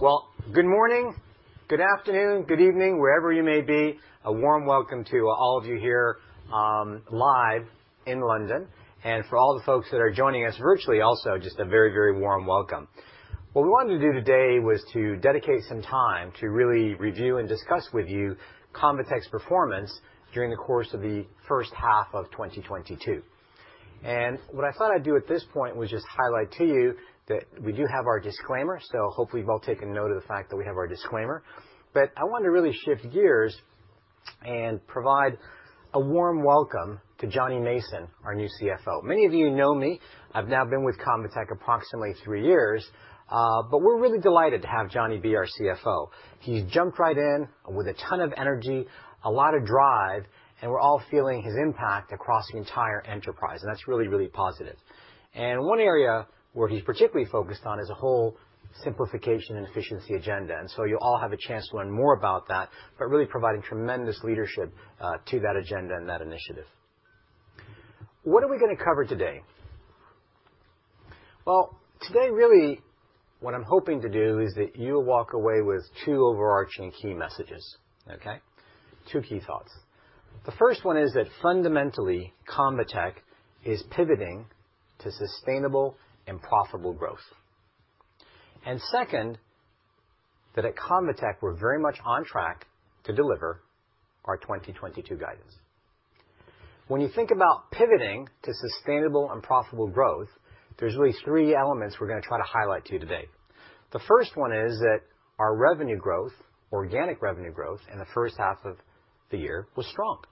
Well, good morning, good afternoon, good evening, wherever you may be. A warm welcome to all of you here, live in London. For all the folks that are joining us virtually also, just a very, very warm welcome. What we wanted to do today was to dedicate some time to really review and discuss with you ConvaTec's performance during the course of the first half of 2022. What I thought I'd do at this point was just highlight to you that we do have our disclaimer. So hopefully you've all taken note of the fact that we have our disclaimer. But I want to really shift gears and provide a warm welcome to Jonny Mason, our new CFO. Many of you know me. I've now been with ConvaTec approximately three years, but we're really delighted to have Jonny be our CFO. He's jumped right in with a ton of energy, a lot of drive, and we're all feeling his impact across the entire enterprise, and that's really, really positive. One area where he's particularly focused on is a whole simplification and efficiency agenda. You'll all have a chance to learn more about that, but really providing tremendous leadership to that agenda and that initiative. What are we gonna cover today? Well, today, really what I'm hoping to do is that you walk away with two overarching key messages, okay? Two key thoughts. The first one is that fundamentally, ConvaTec is pivoting to sustainable and profitable growth. Second, that at ConvaTec, we're very much on track to deliver our 2022 guidance. When you think about pivoting to sustainable and profitable growth, there's really three elements we're gonna try to highlight to you today. The first one is that our revenue growth, organic revenue growth in the first half of the year was strong.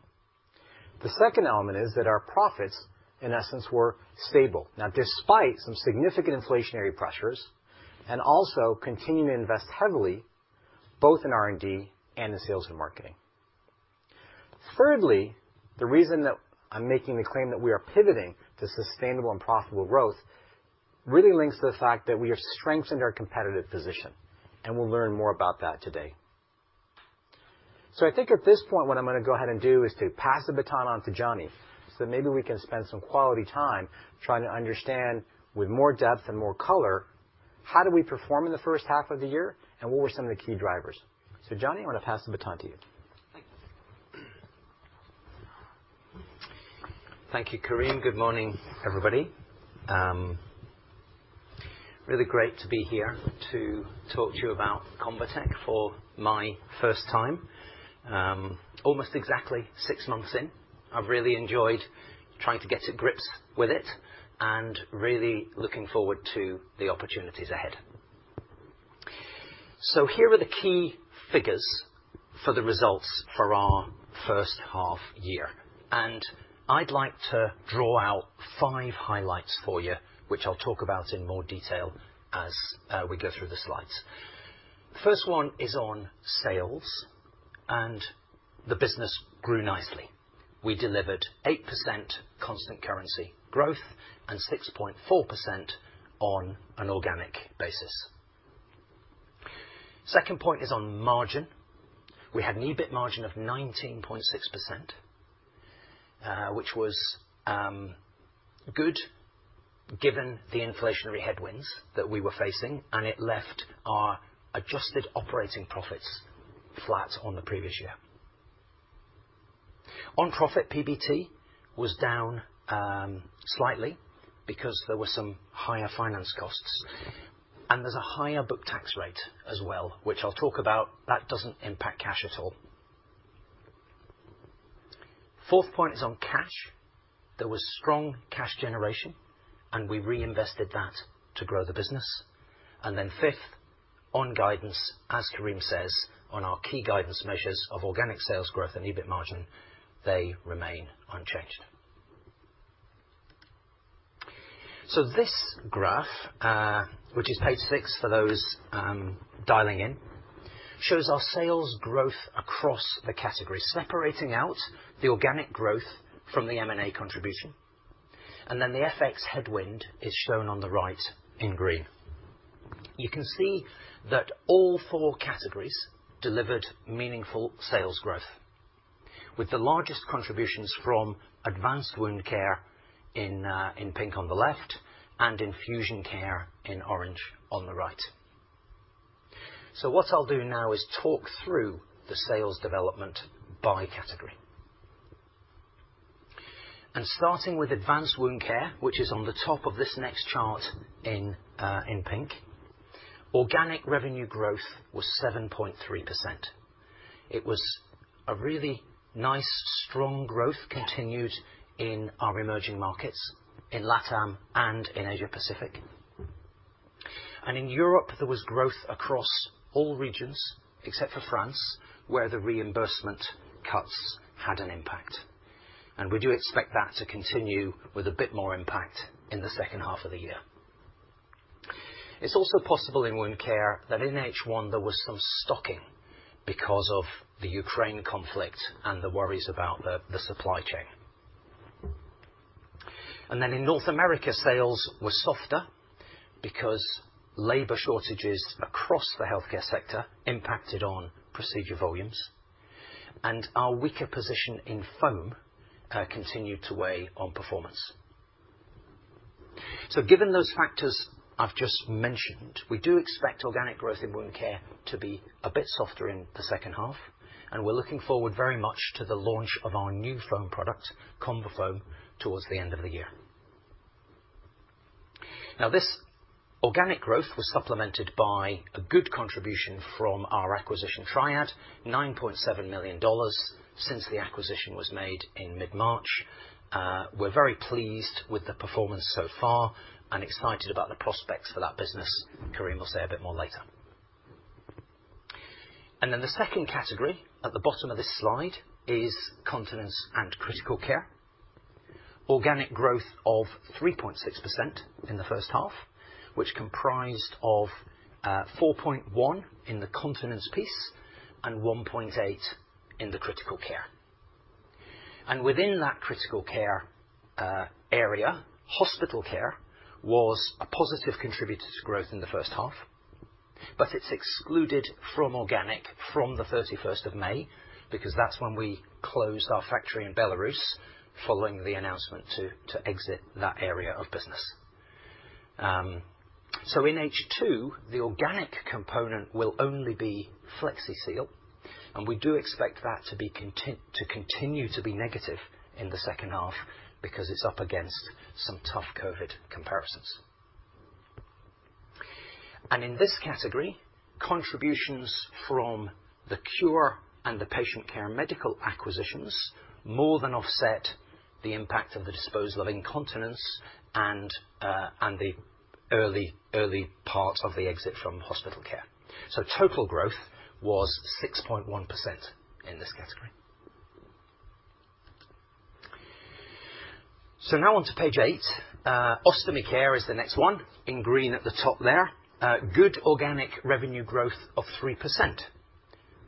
The second element is that our profits, in essence, were stable. Now, despite some significant inflationary pressures and also continuing to invest heavily both in R&D and the sales and marketing. Thirdly, the reason that I'm making the claim that we are pivoting to sustainable and profitable growth really links to the fact that we have strengthened our competitive position, and we'll learn more about that today. I think at this point, what I'm gonna go ahead and do is to pass the baton on to Jonny so that maybe we can spend some quality time trying to understand with more depth and more color, how do we perform in the first half of the year, and what were some of the key drivers. Jonny, I want to pass the baton to you. Thank you. Thank you, Karim. Good morning, everybody. Really great to be here to talk to you about ConvaTec for my first time. Almost exactly six months in. I've really enjoyed trying to get to grips with it and really looking forward to the opportunities ahead. Here are the key figures for the results for our first half year. I'd like to draw out five highlights for you, which I'll talk about in more detail as we go through the slides. First one is on sales, and the business grew nicely. We delivered 8% constant currency growth and 6.4% on an organic basis. Second point is on margin. We had an EBIT margin of 19.6%, which was good given the inflationary headwinds that we were facing, and it left our adjusted operating profits flat on the previous year. On profit, PBT was down slightly because there were some higher finance costs, and there's a higher book tax rate as well, which I'll talk about. That doesn't impact cash at all. Fourth point is on cash. There was strong cash generation, and we reinvested that to grow the business. Fifth, on guidance, as Karim says, on our key guidance measures of organic sales growth and EBIT margin, they remain unchanged. This graph, which is page 6 for those dialing in, shows our sales growth across the category, separating out the organic growth from the M&A contribution. The FX headwind is shown on the right in green. You can see that all four categories delivered meaningful sales growth, with the largest contributions from Advanced Wound Care in pink on the left, and Infusion Care in orange on the right. What I'll do now is talk through the sales development by category. Starting with Advanced Wound Care, which is on the top of this next chart in pink. Organic revenue growth was 7.3%. It was a really nice strong growth continued in our emerging markets in LATAM and in Asia-Pacific. In Europe, there was growth across all regions except for France, where the reimbursement cuts had an impact. We do expect that to continue with a bit more impact in the second half of the year. It's also possible in wound care that in H1 there was some stocking because of the Ukraine conflict and the worries about the supply chain. In North America, sales were softer because labor shortages across the healthcare sector impacted on procedure volumes, and our weaker position in foam continued to weigh on performance. Given those factors I've just mentioned, we do expect organic growth in wound care to be a bit softer in the second half, and we're looking forward very much to the launch of our new foam product, ConvaFoam, towards the end of the year. Now this organic growth was supplemented by a good contribution from our acquisition, Triad, $9.7 million since the acquisition was made in mid-March. We're very pleased with the performance so far, and excited about the prospects for that business. Karim will say a bit more later. Then the second category at the bottom of this slide is continence and critical care. Organic growth of 3.6% in the first half, which comprised of 4.1% in the continence piece and 1.8% in the critical care. Within that critical care area, hospital care was a positive contributor to growth in the first half, but it's excluded from organic from the 31st of May, because that's when we closed our factory in Belarus, following the announcement to exit that area of business. In H2, the organic component will only be Flexi-Seal, and we do expect that to continue to be negative in the second half because it's up against some tough COVID comparisons. In this category, contributions from the Cure Medical and Patient Care Medical acquisitions more than offset the impact of the disposal of incontinence and the early parts of the exit from hospital care. Total growth was 6.1% in this category. Now on to page 8. Ostomy care is the next one in green at the top there. Good organic revenue growth of 3%.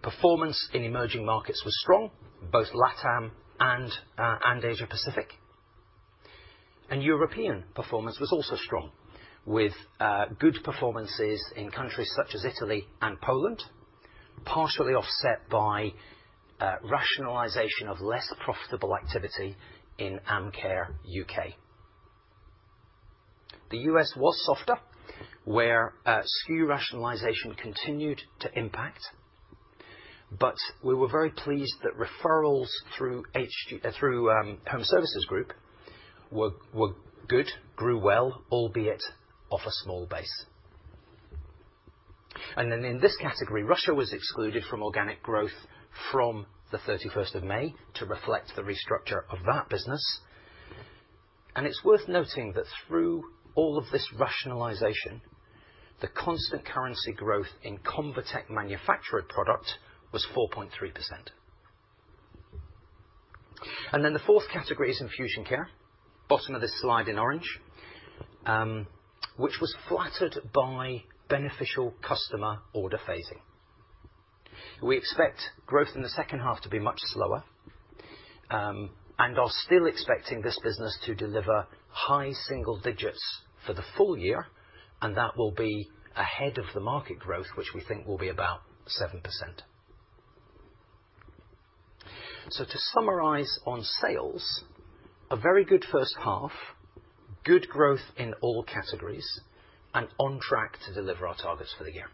Performance in emerging markets was strong, both LATAM and Asia-Pacific. European performance was also strong, with good performances in countries such as Italy and Poland, partially offset by rationalization of less profitable activity in Amcare UK. The US was softer, where SKU rationalization continued to impact, but we were very pleased that referrals through Home Services Group were good, grew well, albeit off a small base. Then in this category, Russia was excluded from organic growth from the thirty-first of May to reflect the restructure of that business. It's worth noting that through all of this rationalization, the constant currency growth in ConvaTec manufactured product was 4.3%. Then the fourth category is Infusion Care. Bottom of this slide in orange, which was flattered by beneficial customer order phasing. We expect growth in the second half to be much slower, and are still expecting this business to deliver high single digits for the full year, and that will be ahead of the market growth, which we think will be about 7%. To summarize on sales, a very good first half, good growth in all categories, and on track to deliver our targets for the year.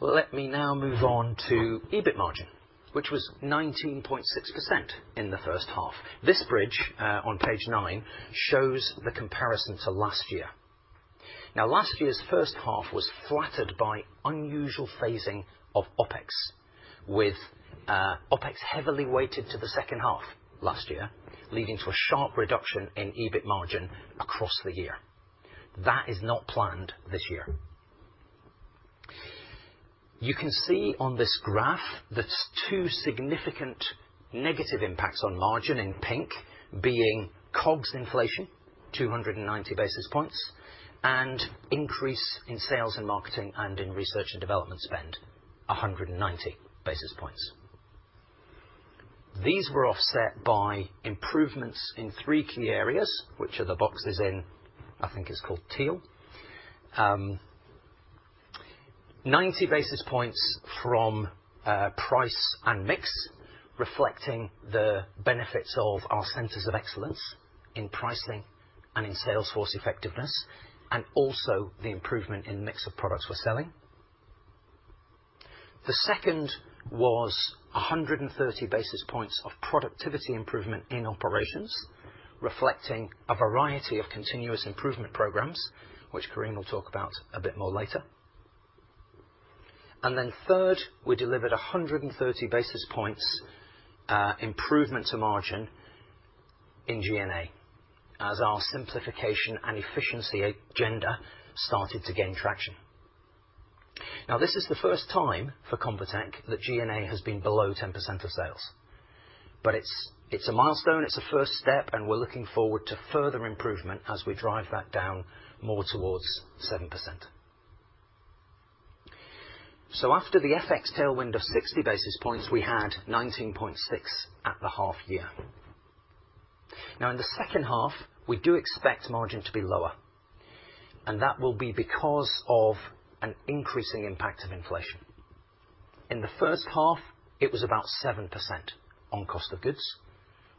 Let me now move on to EBIT margin, which was 19.6% in the first half. This bridge on page 9 shows the comparison to last year. Now, last year's first half was flattered by unusual phasing of OpEx, with OpEx heavily weighted to the second half last year, leading to a sharp reduction in EBIT margin across the year. That is not planned this year. You can see on this graph the two significant negative impacts on margin in pink being COGS inflation, 290 basis points, and increase in sales and marketing and in research and development spend, 190 basis points. These were offset by improvements in three key areas, which are the boxes in teal. Ninety basis points from price and mix, reflecting the benefits of our centers of excellence in pricing and in sales force effectiveness, and also the improvement in mix of products we're selling. The second was 130 basis points of productivity improvement in operations, reflecting a variety of continuous improvement programs, which Karim will talk about a bit more later. Third, we delivered 130 basis points improvement to margin in G&A as our simplification and efficiency agenda started to gain traction. This is the first time for ConvaTec that G&A has been below 10% of sales. It's a milestone, it's a first step, and we're looking forward to further improvement as we drive that down more towards 7%. After the FX tailwind of 60 basis points, we had 19.6% at the half year. Now in the second half, we do expect margin to be lower, and that will be because of an increasing impact of inflation. In the first half, it was about 7% on cost of goods.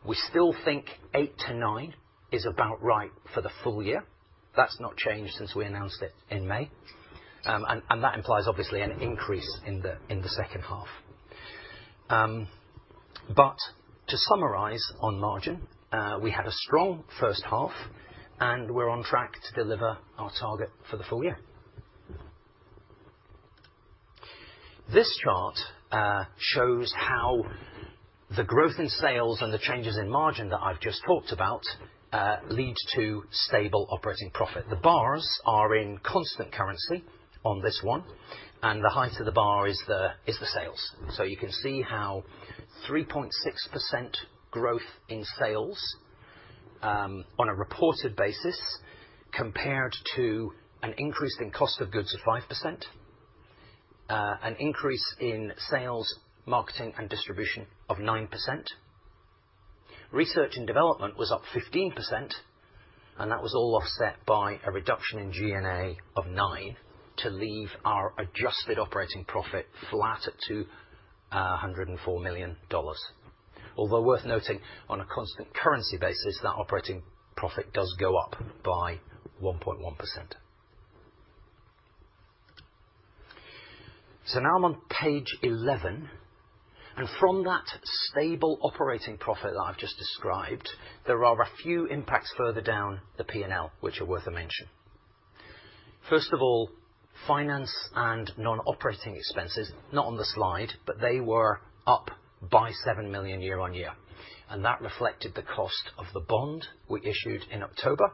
We still think 8%-9% is about right for the full year. That's not changed since we announced it in May. And that implies obviously an increase in the second half. To summarize on margin, we had a strong first half, and we're on track to deliver our target for the full year. This chart shows how the growth in sales and the changes in margin that I've just talked about lead to stable operating profit. The bars are in constant currency on this one, and the height of the bar is the sales. You can see how 3.6% growth in sales on a reported basis compared to an increase in cost of goods of 5%, an increase in sales, marketing, and distribution of 9%. Research and development was up 15%, and that was all offset by a reduction in G&A of 9% to leave our adjusted operating profit flat at $204 million. Although worth noting, on a constant currency basis, that operating profit does go up by 1.1%. Now I'm on page 11. From that stable operating profit that I've just described, there are a few impacts further down the P&L which are worth a mention. First of all, finance and non-operating expenses, not on the slide, but they were up by $7 million year-on-year. That reflected the cost of the bond we issued in October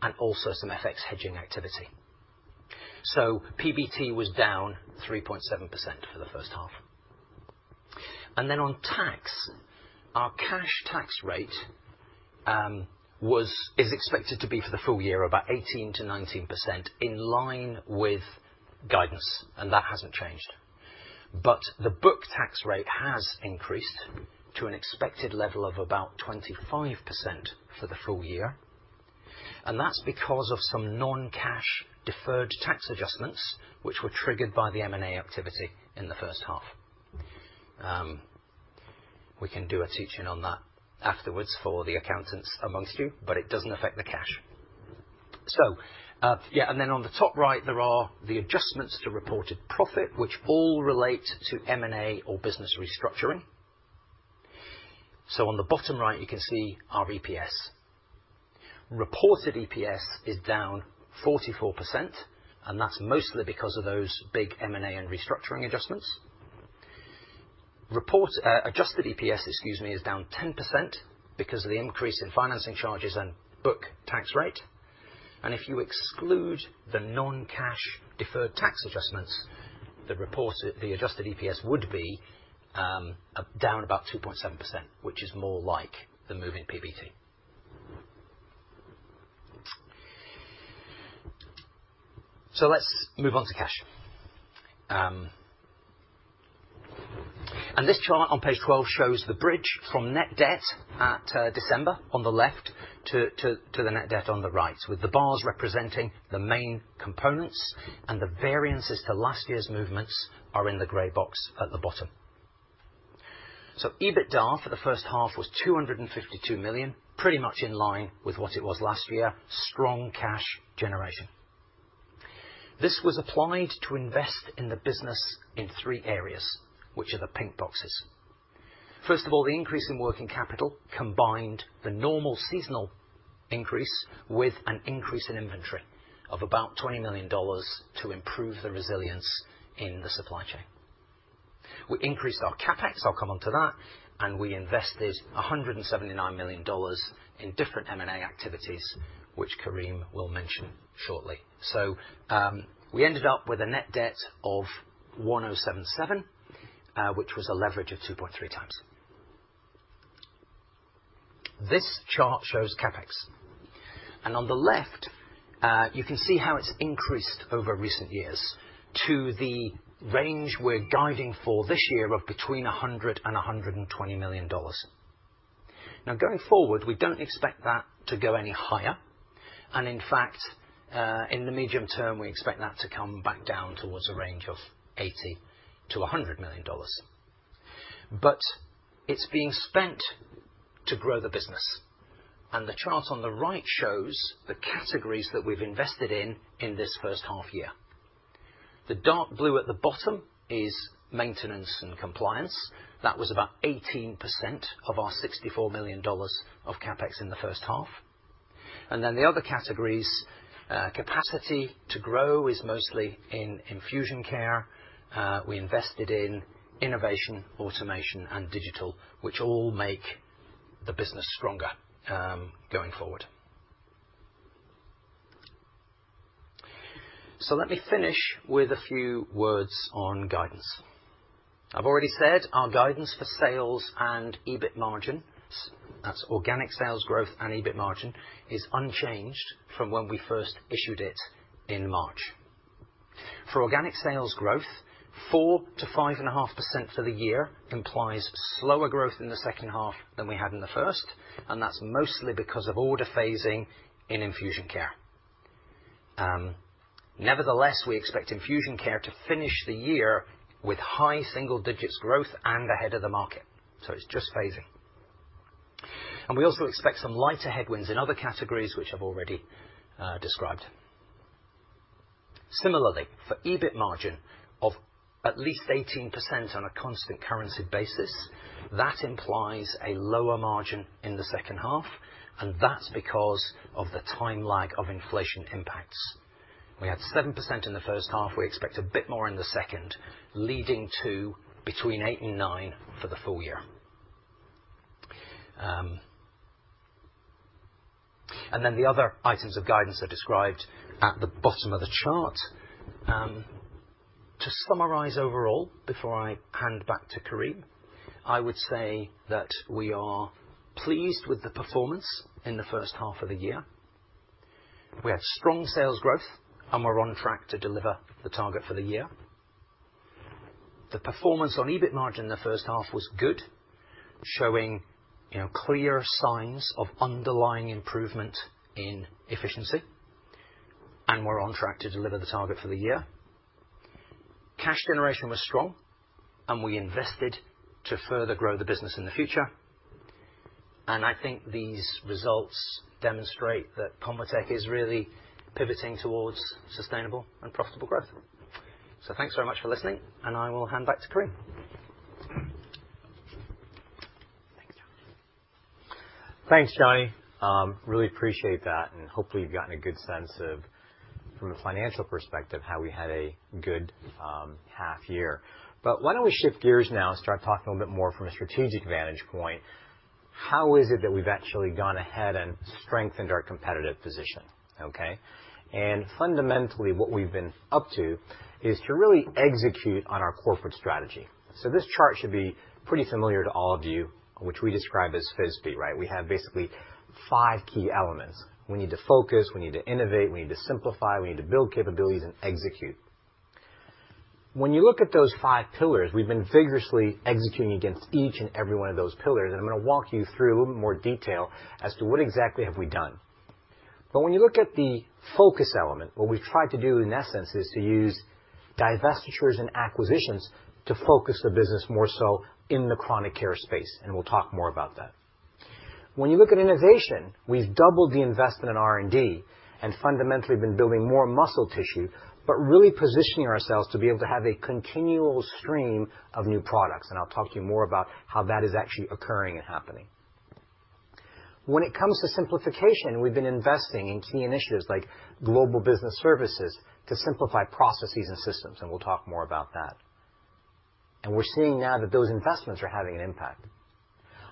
and also some FX hedging activity. PBT was down 3.7% for the first half. Then on tax, our cash tax rate is expected to be for the full year, about 18%-19% in line with guidance, and that hasn't changed. The book tax rate has increased to an expected level of about 25% for the full year, and that's because of some non-cash deferred tax adjustments, which were triggered by the M&A activity in the first half. We can do a teach-in on that afterwards for the accountants among you, but it doesn't affect the cash. And then on the top right, there are the adjustments to reported profit which all relate to M&A or business restructuring. On the bottom right, you can see our EPS. Reported EPS is down 44%, and that's mostly because of those big M&A and restructuring adjustments. Adjusted EPS is down 10% because of the increase in financing charges and book tax rate. If you exclude the non-cash deferred tax adjustments, the adjusted EPS would be down about 2.7%, which is more like the moving PBT. Let's move on to cash. This chart on page 12 shows the bridge from net debt at December on the left to the net debt on the right, with the bars representing the main components and the variances to last year's movements are in the gray box at the bottom. EBITDA for the first half was $252 million, pretty much in line with what it was last year. Strong cash generation. This was applied to invest in the business in three areas, which are the pink boxes. First of all, the increase in working capital combined the normal seasonal increase with an increase in inventory of about $20 million to improve the resilience in the supply chain. We increased our CapEx, I'll come on to that, and we invested $179 million in different M&A activities, which Karim will mention shortly. We ended up with a net debt of $1,077 million, which was a leverage of 2.3x. This chart shows CapEx. On the left, you can see how it's increased over recent years to the range we're guiding for this year of between $100 million and $120 million. Now going forward, we don't expect that to go any higher. In fact, in the medium term, we expect that to come back down towards a range of $80 million-$100 million. But it's being spent to grow the business. The chart on the right shows the categories that we've invested in this first half year. The dark blue at the bottom is maintenance and compliance. That was about 18% of our $64 million of CapEx in the first half. The other categories, capacity to grow is mostly in Infusion Care. We invested in innovation, automation, and digital, which all make the business stronger, going forward. Let me finish with a few words on guidance. I've already said our guidance for sales and EBIT margin, that's organic sales growth and EBIT margin, is unchanged from when we first issued it in March. For organic sales growth, 4%-5.5% for the year implies slower growth in the second half than we had in the first, and that's mostly because of order phasing in Infusion Care. Nevertheless, we expect Infusion Care to finish the year with high single-digit growth and ahead of the market. It's just phasing. We also expect some lighter headwinds in other categories which I've already described. Similarly, for EBIT margin of at least 18% on a constant currency basis, that implies a lower margin in the second half, and that's because of the time lag of inflation impacts. We had 7% in the first half. We expect a bit more in the second, leading to between 8% and 9% for the full year. The other items of guidance are described at the bottom of the chart. To summarize overall before I hand back to Karim, I would say that we are pleased with the performance in the first half of the year. We have strong sales growth, and we're on track to deliver the target for the year. The performance on EBIT margin in the first half was good, showing, you know, clear signs of underlying improvement in efficiency, and we're on track to deliver the target for the year. Cash generation was strong, and we invested to further grow the business in the future. I think these results demonstrate that ConvaTec is really pivoting towards sustainable and profitable growth. Thanks so much for listening, and I will hand back to Karim. Thanks, Jonny. Really appreciate that, and hopefully, you've gotten a good sense of, from a financial perspective, how we had a good half year. Why don't we shift gears now and start talking a little bit more from a strategic vantage point. How is it that we've actually gone ahead and strengthened our competitive position? Okay? Fundamentally, what we've been up to is to really execute on our corporate strategy. This chart should be pretty familiar to all of you, which we describe as FISBE, right? We have basically five key elements. We need to focus, we need to innovate, we need to simplify, we need to build capabilities and execute. When you look at those five pillars, we've been vigorously executing against each and every one of those pillars, and I'm gonna walk you through a little more detail as to what exactly have we done. When you look at the focus element, what we've tried to do in essence is to use divestitures and acquisitions to focus the business more so in the chronic care space, and we'll talk more about that. When you look at innovation, we've doubled the investment in R&D, and fundamentally been building more muscle tissue, but really positioning ourselves to be able to have a continual stream of new products. I'll talk to you more about how that is actually occurring and happening. When it comes to simplification, we've been investing in key initiatives like Global Business Services to simplify processes and systems, and we'll talk more about that. We're seeing now that those investments are having an impact.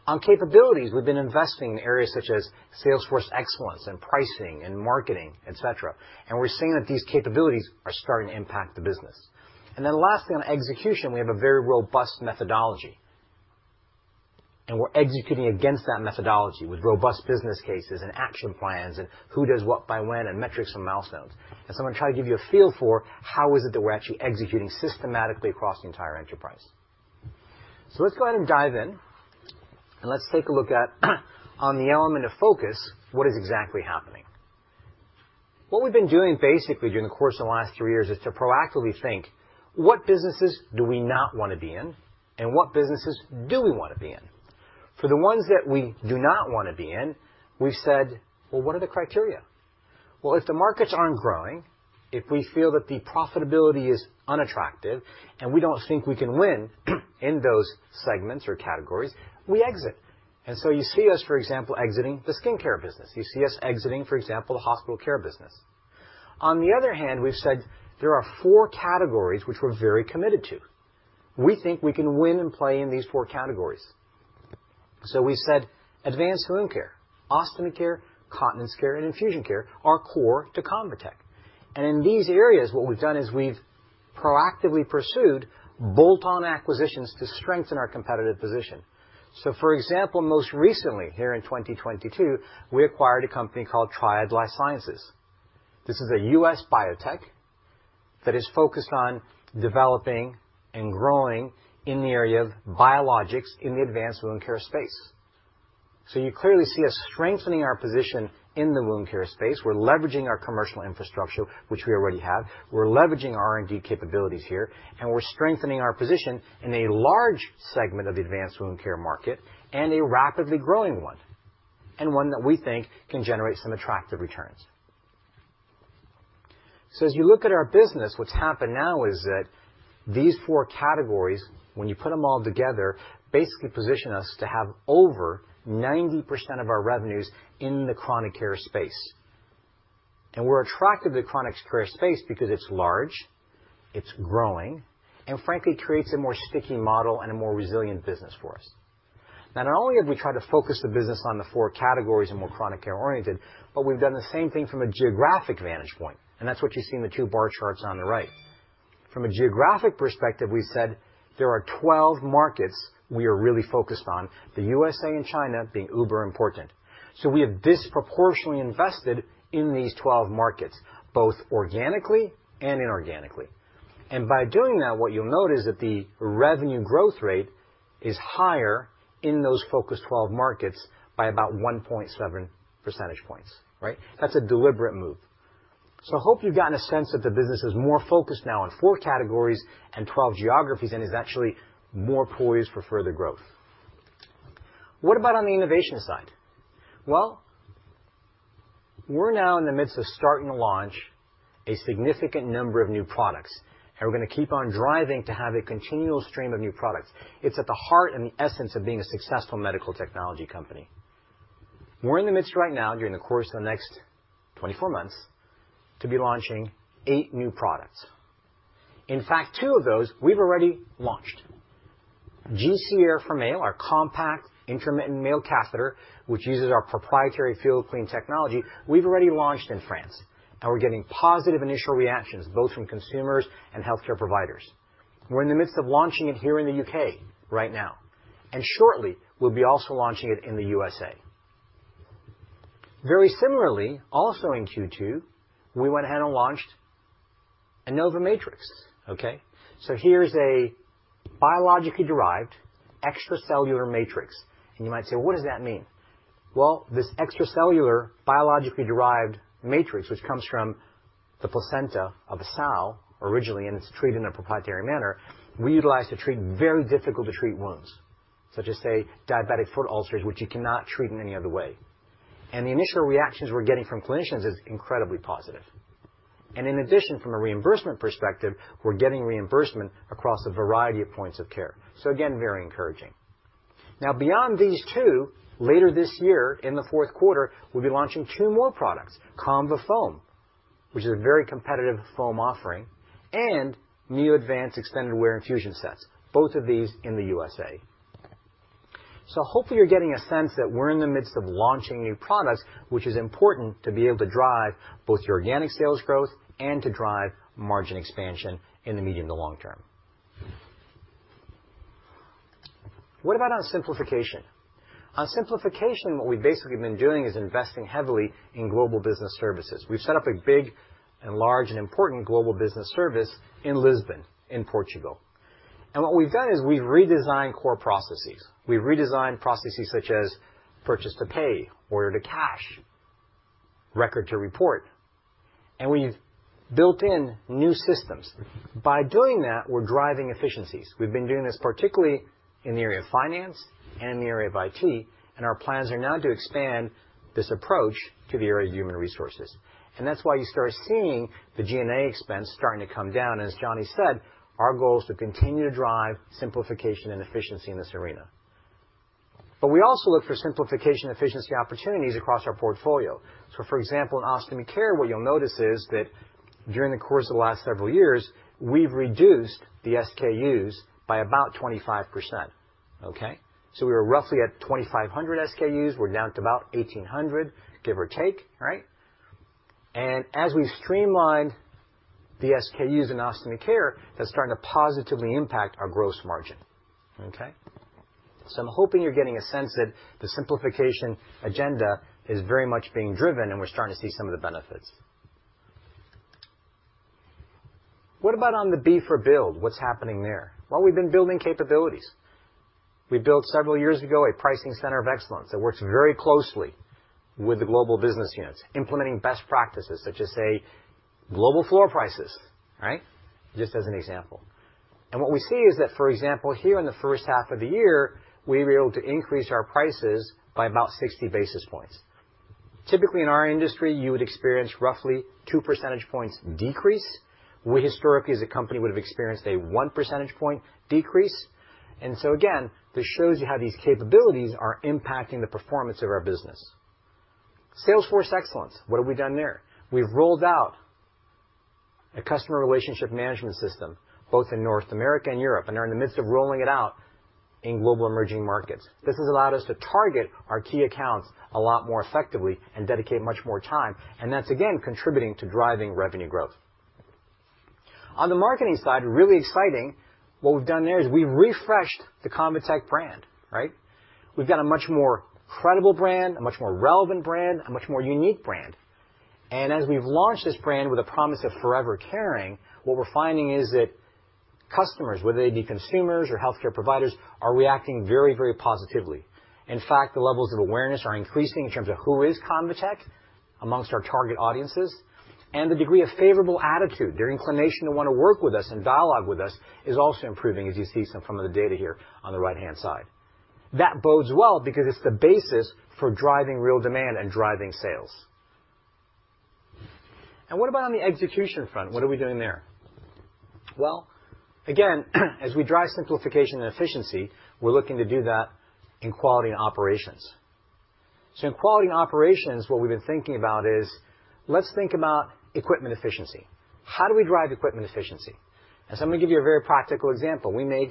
On capabilities, we've been investing in areas such as sales force excellence and pricing and marketing, et cetera. We're seeing that these capabilities are starting to impact the business. Then lastly, on execution, we have a very robust methodology. We're executing against that methodology with robust business cases and action plans and who does what by when and metrics from milestones. I'm gonna try to give you a feel for how is it that we're actually executing systematically across the entire enterprise. Let's go ahead and dive in, and let's take a look at, on the element of focus, what is exactly happening. What we've been doing basically during the course of the last three years is to proactively think, "What businesses do we not wanna be in, and what businesses do we wanna be in?" For the ones that we do not wanna be in, we've said, "Well, what are the criteria?" Well, if the markets aren't growing, if we feel that the profitability is unattractive, and we don't think we can win in those segments or categories, we exit. You see us, for example, exiting the skincare business. You see us exiting, for example, the hospital care business. On the other hand, we've said there are four categories which we're very committed to. We think we can win and play in these four categories. We said Advanced Wound Care, Ostomy Care, Continence Care, and Infusion Care are core to ConvaTec. In these areas, what we've done is we've proactively pursued bolt-on acquisitions to strengthen our competitive position. For example, most recently here in 2022, we acquired a company called Triad Life Sciences. This is a U.S. biotech that is focused on developing and growing in the area of biologics in the Advanced Wound Care space. You clearly see us strengthening our position in the Wound Care space. We're leveraging our commercial infrastructure, which we already have. We're leveraging our R&D capabilities here, and we're strengthening our position in a large segment of the Advanced Wound Care market and a rapidly growing one, and one that we think can generate some attractive returns. As you look at our business, what's happened now is that these four categories, when you put them all together, basically position us to have over 90% of our revenues in the chronic care space. We're attracted to the chronic care space because it's large, it's growing, and frankly, creates a more sticky model and a more resilient business for us. Now, not only have we tried to focus the business on the four categories and more chronic care oriented, but we've done the same thing from a geographic vantage point, and that's what you see in the two-bar charts on the right. From a geographic perspective, we said there are 12 markets we are really focused on, the USA and China being uber important. We have disproportionately invested in these 12 markets, both organically and inorganically. By doing that, what you'll note is that the revenue growth rate is higher in those focused twelve markets by about 1.7 percentage points, right? That's a deliberate move. I hope you've gotten a sense that the business is more focused now on four categories and twelve geographies and is actually more poised for further growth. What about on the innovation side? Well, we're now in the midst right now, during the course of the next 24 months, to be launching eight new products. In fact, two of those we've already launched. GentleCath Air for Male, our compact intermittent male catheter, which uses our proprietary FeelClean technology, we've already launched in France, and we're getting positive initial reactions both from consumers and healthcare providers. We're in the midst of launching it here in the UK right now, and shortly, we'll be also launching it in the USA. Very similarly, also in Q2, we went ahead and launched InnovaMatrix. Okay? So here's a biologically derived extracellular matrix. You might say, "What does that mean?" Well, this extracellular biologically derived matrix, which comes from the placenta of a sow originally, and it's treated in a proprietary manner. We utilize it to treat very difficult-to-treat wounds, such as, say, diabetic foot ulcers, which you cannot treat in any other way. The initial reactions we're getting from clinicians is incredibly positive. In addition, from a reimbursement perspective, we're getting reimbursement across a variety of points of care. Again, very encouraging. Now, beyond these two, later this year, in the fourth quarter, we'll be launching two more products. ConvaFoam, which is a very competitive foam offering, and new advanced extended wear infusion sets, both of these in the USA. Hopefully, you're getting a sense that we're in the midst of launching new products, which is important to be able to drive both the organic sales growth and to drive margin expansion in the medium to long term. What about on simplification? On simplification, what we've basically been doing is investing heavily in global business services. We've set up a big and large and important global business service in Lisbon, in Portugal. What we've done is we've redesigned core processes. We've redesigned processes such as purchase-to-pay, order-to-cash, Record to Report, and we've built in new systems. By doing that, we're driving efficiencies. We've been doing this particularly in the area of finance and in the area of IT, and our plans are now to expand this approach to the area of human resources. That's why you start seeing the G&A expense starting to come down. As Jonny said, our goal is to continue to drive simplification and efficiency in this arena. We also look for simplification efficiency opportunities across our portfolio. For example, in Ostomy Care, what you'll notice is that during the course of the last several years, we've reduced the SKUs by about 25%, okay? We were roughly at 2,500 SKUs. We're down to about 1,800, give or take, right? As we've streamlined the SKUs in Ostomy Care, that's starting to positively impact our gross margin, okay? I'm hoping you're getting a sense that the simplification agenda is very much being driven, and we're starting to see some of the benefits. What about on the B for build? What's happening there? Well, we've been building capabilities. We built several years ago a pricing center of excellence that works very closely with the global business units, implementing best practices such as, say, global floor prices, right? Just as an example. What we see is that, for example, here in the first half of the year, we were able to increase our prices by about 60 basis points. Typically, in our industry, you would experience roughly 2 percentage points decrease. We historically as a company would have experienced a 1 percentage point decrease. again, this shows you how these capabilities are impacting the performance of our business. Sales force excellence, what have we done there? We've rolled out a customer relationship management system both in North America and Europe, and are in the midst of rolling it out in global emerging markets. This has allowed us to target our key accounts a lot more effectively and dedicate much more time, and that's again contributing to driving revenue growth. On the marketing side, really exciting, what we've done there is we've refreshed the ConvaTec brand, right? We've got a much more credible brand, a much more relevant brand, a much more unique brand. as we've launched this brand with a promise of forever caring, what we're finding is that customers, whether they be consumers or healthcare providers, are reacting very, very positively. In fact, the levels of awareness are increasing in terms of who is ConvaTec amongst our target audiences. The degree of favorable attitude, their inclination to want to work with us and dialogue with us is also improving, as you can see from the data here on the right-hand side. That bodes well because it's the basis for driving real demand and driving sales. What about on the execution front? What are we doing there? Well, again, as we drive simplification and efficiency, we're looking to do that in quality and operations. In quality and operations, what we've been thinking about is, let's think about equipment efficiency. How do we drive equipment efficiency? I'm gonna give you a very practical example. We make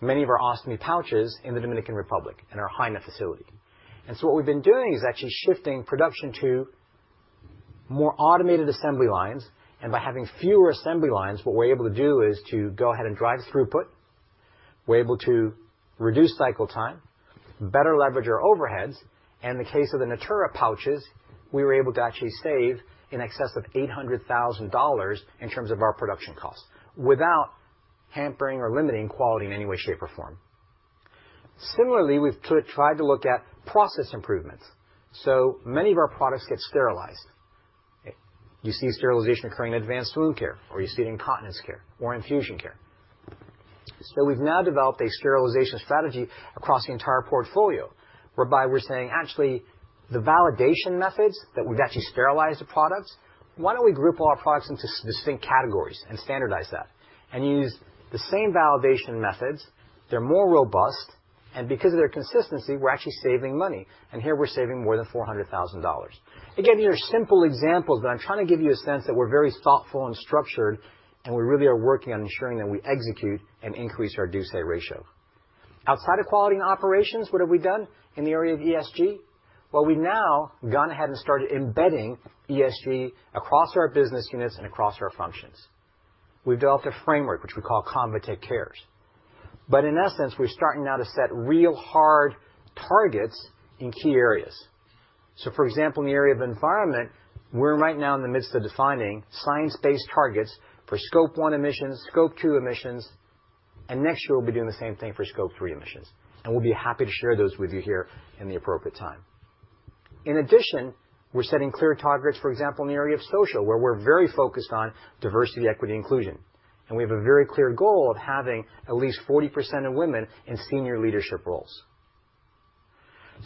many of our ostomy pouches in the Dominican Republic in our Haina facility. What we've been doing is actually shifting production to more automated assembly lines. By having fewer assembly lines, what we're able to do is to go ahead and drive throughput. We're able to reduce cycle time, better leverage our overheads. In the case of the Natura pouches, we were able to actually save in excess of $800,000 in terms of our production costs without hampering or limiting quality in any way, shape, or form. Similarly, we've tried to look at process improvements. Many of our products get sterilized. You see sterilization occurring in Advanced Wound Care, or you see it in Continence Care or Infusion Care. We've now developed a sterilization strategy across the entire portfolio, whereby we're saying, actually, the validation methods that we've actually used to sterilize the products, why don't we group all our products into distinct categories and standardize that and use the same validation methods? They're more robust, and because of their consistency, we're actually saving money. Here, we're saving more than $400,000. Again, these are simple examples, but I'm trying to give you a sense that we're very thoughtful and structured, and we really are working on ensuring that we execute and increase our do/say ratio. Outside of quality and operations, what have we done in the area of ESG? Well, we've now gone ahead and started embedding ESG across our business units and across our functions. We've developed a framework which we call ConvaTec Cares. In essence, we're starting now to set real hard targets in key areas. For example, in the area of environment, we're right now in the midst of defining science-based targets for Scope 1 emissions, Scope 2 emissions, and next year, we'll be doing the same thing for Scope 3 emissions. We'll be happy to share those with you here in the appropriate time. In addition, we're setting clear targets, for example, in the area of social, where we're very focused on diversity, equity, inclusion. We have a very clear goal of having at least 40% of women in senior leadership roles.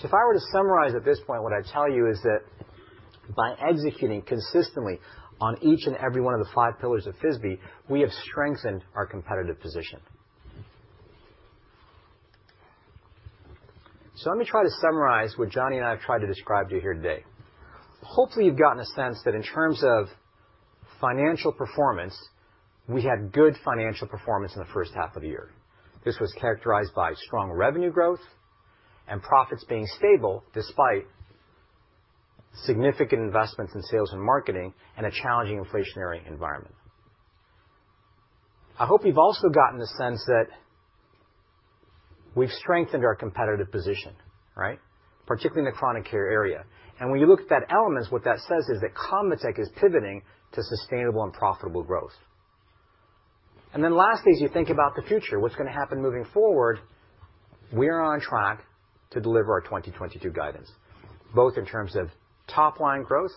If I were to summarize at this point, what I'd tell you is that by executing consistently on each and every one of the five pillars of FISBE, we have strengthened our competitive position. Let me try to summarize what Jonny and I have tried to describe to you here today. Hopefully, you've gotten a sense that in terms of financial performance, we had good financial performance in the first half of the year. This was characterized by strong revenue growth and profits being stable despite significant investments in sales and marketing and a challenging inflationary environment. I hope you've also gotten the sense that we've strengthened our competitive position, right? Particularly in the chronic care area. When you look at those elements, what that says is that ConvaTec is pivoting to sustainable and profitable growth. Lastly, as you think about the future, what's gonna happen moving forward, we are on track to deliver our 2022 guidance, both in terms of top-line growth,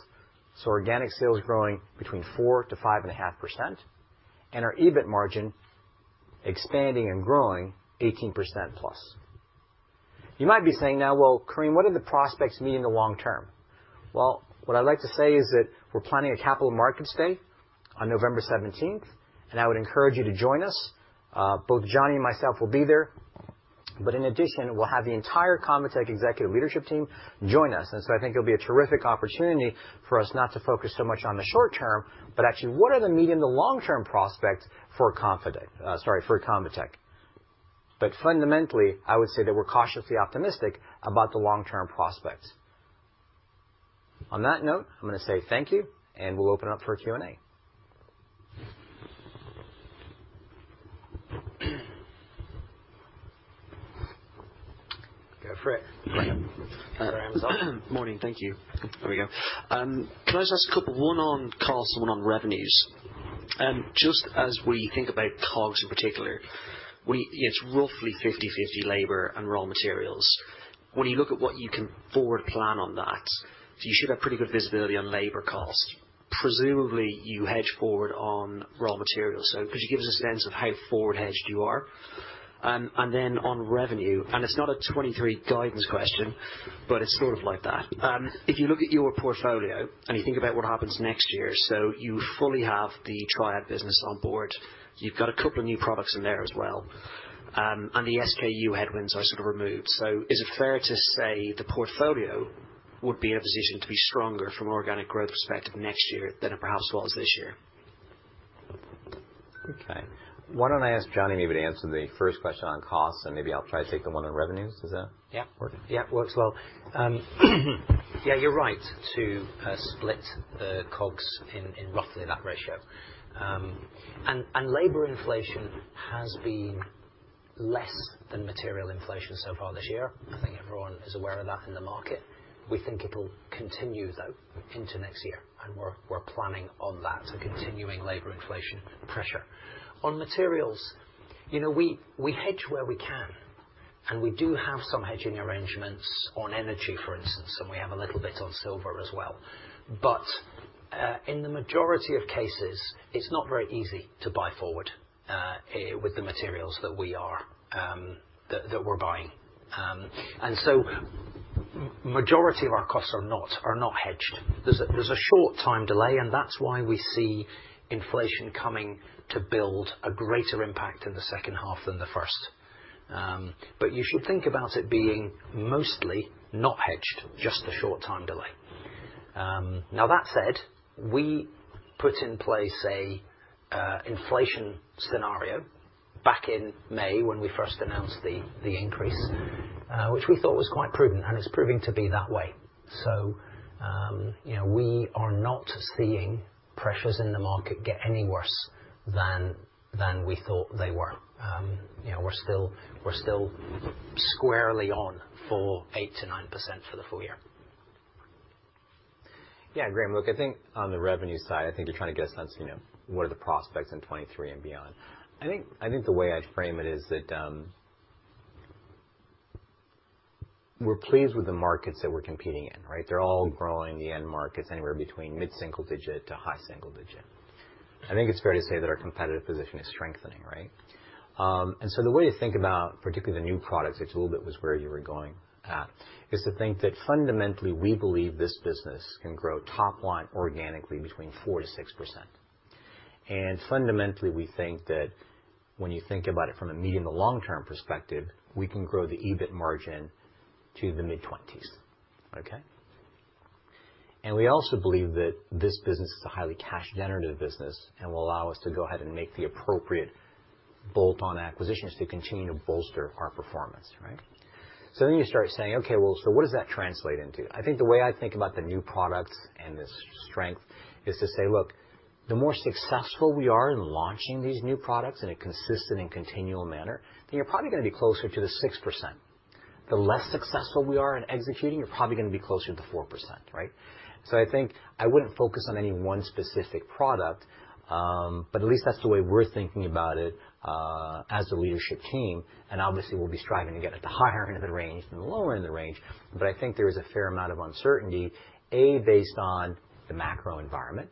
so organic sales growing between 4%-5.5%, and our EBIT margin expanding and growing 18%+. You might be saying now, "Well, Karim, what are the prospects for the long term?" Well, what I'd like to say is that we're planning a capital markets day on November seventeenth, and I would encourage you to join us. Both Jonny and myself will be there. In addition, we'll have the entire ConvaTec executive leadership team join us. I think it'll be a terrific opportunity for us not to focus so much on the short term, but actually what are the medium to long-term prospects for ConvaTec. Fundamentally, I would say that we're cautiously optimistic about the long-term prospects. On that note, I'm gonna say thank you, and we'll open up for Q&A. Go for it. Great. Morning. Thank you. There we go. Can I just ask a couple, one on costs and one on revenues? Just as we think about COGS in particular, it's roughly 50/50 labor and raw materials. When you look at what you can forward plan on that, you should have pretty good visibility on labor cost. Presumably, you hedge forward on raw materials. Could you give us a sense of how forward hedged you are? On revenue, it's not a 2023 guidance question, but it's sort of like that. If you look at your portfolio and you think about what happens next year. You fully have the Triad business on board. You've got a couple of new products in there as well. The SKU headwinds are sort of removed. Is it fair to say the portfolio would be in a position to be stronger from an organic growth perspective next year than it perhaps was this year? Okay. Why don't I ask Jonny maybe to answer the first question on costs, and maybe I'll try to take the one on revenues. Is that? Yeah. -working? Yeah, works well. Yeah, you're right to split the COGS in roughly that ratio. Labor inflation has been less than material inflation so far this year. I think everyone is aware of that in the market. We think it'll continue, though, into next year, and we're planning on that, so continuing labor inflation pressure. On materials, you know, we hedge where we can, and we do have some hedging arrangements on energy, for instance, and we have a little bit on silver as well. In the majority of cases, it's not very easy to buy forward with the materials that we're buying. Majority of our costs are not hedged. There's a short time delay, and that's why we see inflation coming to build a greater impact in the second half than the first. You should think about it being mostly not hedged, just the short time delay. Now that said, we put in place a inflation scenario back in May when we first announced the increase, which we thought was quite prudent, and it's proving to be that way. You know, we are not seeing pressures in the market get any worse than we thought they were. You know, we're still squarely on for 8%-9% for the full year. Yeah, Graham, look, I think on the revenue side, you're trying to get a sense, you know, what are the prospects in 2023 and beyond. I think the way I'd frame it is that we're pleased with the markets that we're competing in, right? They're all growing the end markets anywhere between mid-single-digit to high single-digit. I think it's fair to say that our competitive position is strengthening, right? And so the way to think about particularly the new products, which a little bit was where you were going at, is to think that fundamentally, we believe this business can grow top line organically between 4%-6%. Fundamentally, we think that when you think about it from a medium- to long-term perspective, we can grow the EBIT margin to the mid-20s, okay? We also believe that this business is a highly cash-generative business and will allow us to go ahead and make the appropriate bolt-on acquisitions to continue to bolster our performance, right? You start saying, "Okay, well, so what does that translate into?" I think the way I think about the new products and this strength is to say, look, the more successful we are in launching these new products in a consistent and continual manner, then you're probably gonna be closer to the 6%. The less successful we are in executing, you're probably gonna be closer to the 4%, right? I think I wouldn't focus on any one specific product, but at least that's the way we're thinking about it, as a leadership team, and obviously, we'll be striving to get it to higher end of the range than the lower end of the range. I think there is a fair amount of uncertainty, A, based on the macro environment,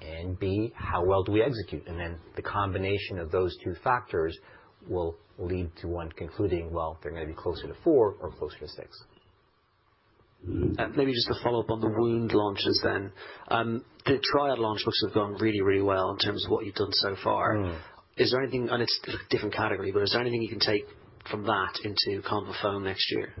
and B, how well do we execute? And then the combination of those two factors will lead to one concluding, well, they're gonna be closer to four or closer to six. Maybe just to follow up on the wound launches then. The trial launch must have gone really, really well in terms of what you've done so far. Mm-hmm. Is there anything? I know it's different category, but is there anything you can take from that into ConvaFoam next year?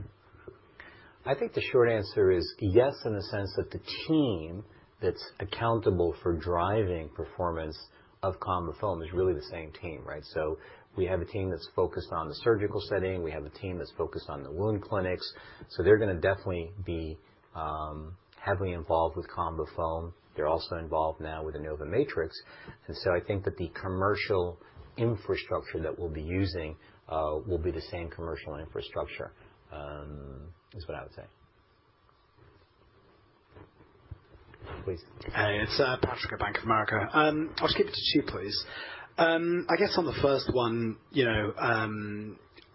I think the short answer is yes, in the sense that the team that's accountable for driving performance of ConvaFoam is really the same team, right? We have a team that's focused on the surgical setting. We have a team that's focused on the wound clinics. They're gonna definitely be heavily involved with ConvaFoam. They're also involved now with the InnovaMatrix. I think that the commercial infrastructure that we'll be using will be the same commercial infrastructure, is what I would say. Please. Hey, it's Patrick at Bank of America. I'll just keep it to two, please. I guess on the first one, you know,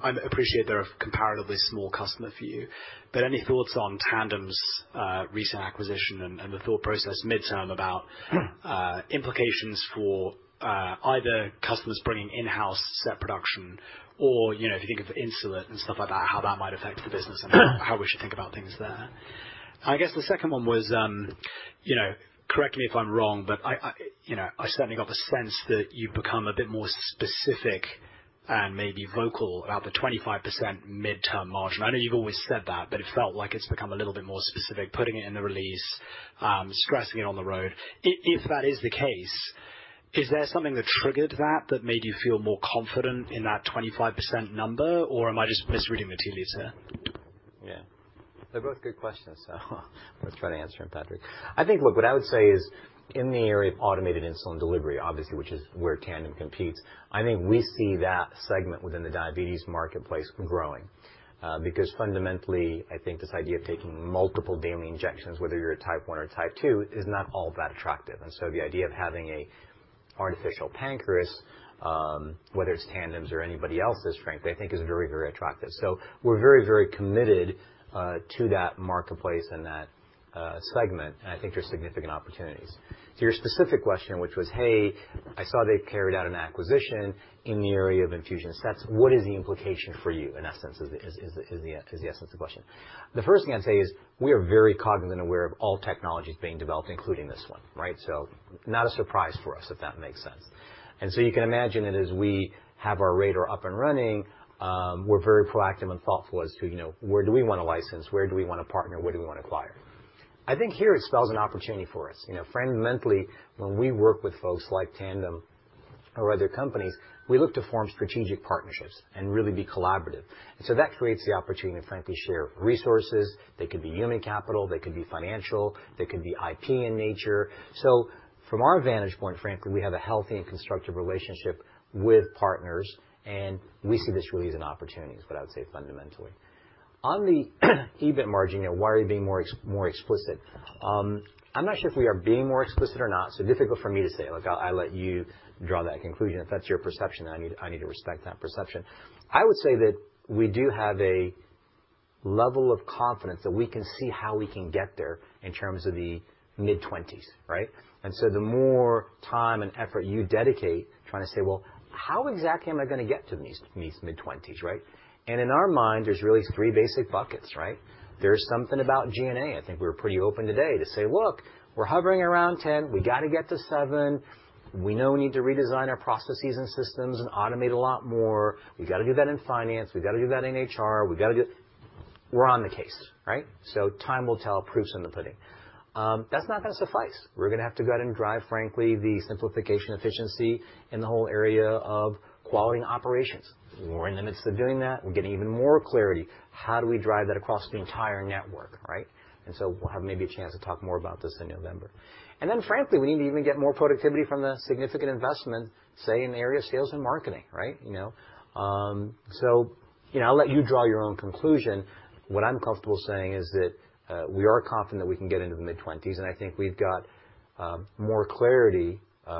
I appreciate they're a comparatively small customer for you, but any thoughts on Tandem's recent acquisition and the thought process midterm about- Mm. Implications for either customers bringing in-house set production or, you know, if you think of Insulet and stuff like that, how that might affect the business and how we should think about things there. I guess the second one was, you know, correct me if I'm wrong, but I you know, I certainly got the sense that you've become a bit more specific and maybe vocal about the 25% midterm margin. I know you've always said that, but it felt like it's become a little bit more specific, putting it in the release, stressing it on the road. If that is the case, is there something that triggered that made you feel more confident in that 25% number, or am I just misreading the tea leaves there? Yeah. They're both good questions. Let's try to answer them, Patrick. I think look, what I would say is in the area of automated insulin delivery, obviously, which is where Tandem competes, I think we see that segment within the diabetes marketplace growing. Because fundamentally, I think this idea of taking multiple daily injections, whether you're a type one or type two, is not all that attractive. The idea of having an artificial pancreas, whether it's Tandem's or anybody else's, frankly, I think is very, very attractive. We're very, very committed to that marketplace and that segment. I think there's significant opportunities. To your specific question, which was, "Hey, I saw they carried out an acquisition in the area of infusion sets. What is the implication for you?" In essence is the essence of the question. The first thing I'd say is we are very cognizant and aware of all technologies being developed, including this one, right? So not a surprise for us, if that makes sense. You can imagine that as we have our radar up and running, we're very proactive and thoughtful as to, you know, where do we wanna license, where do we wanna partner, where do we wanna acquire. I think here it spells an opportunity for us. You know, fundamentally, when we work with folks like Tandem or other companies, we look to form strategic partnerships and really be collaborative. That creates the opportunity to frankly share resources. They could be human capital, they could be financial, they could be IP in nature. From our vantage point, frankly, we have a healthy and constructive relationship with partners, and we see this really as an opportunity is what I would say fundamentally. On the EBIT margin, you know, why are you being more explicit? I'm not sure if we are being more explicit or not. It's difficult for me to say. Look, I'll let you draw that conclusion. If that's your perception, I need to respect that perception. I would say that we do have a level of confidence that we can see how we can get there in terms of the mid-20s%, right? The more time and effort you dedicate trying to say, "Well, how exactly am I gonna get to these mid-20s%," right? In our mind, there's really three basic buckets, right? There's something about G&A. I think we're pretty open today to say, "Look, we're hovering around 10. We gotta get to seven. We know we need to redesign our processes and systems and automate a lot more. We gotta do that in finance. We gotta do that in HR. We're on the case, right? Time will tell, proof's in the pudding. That's not gonna suffice. We're gonna have to go out and drive, frankly, the simplification efficiency in the whole area of quality and operations. We're in the midst of doing that. We're getting even more clarity. How do we drive that across the entire network, right? We'll have maybe a chance to talk more about this in November. Frankly, we need to even get more productivity from the significant investment, say, in the area of sales and marketing, right? You know, you know, I'll let you draw your own conclusion. What I'm comfortable saying is that we are confident we can get into the mid-20s%, and I think we've got more clarity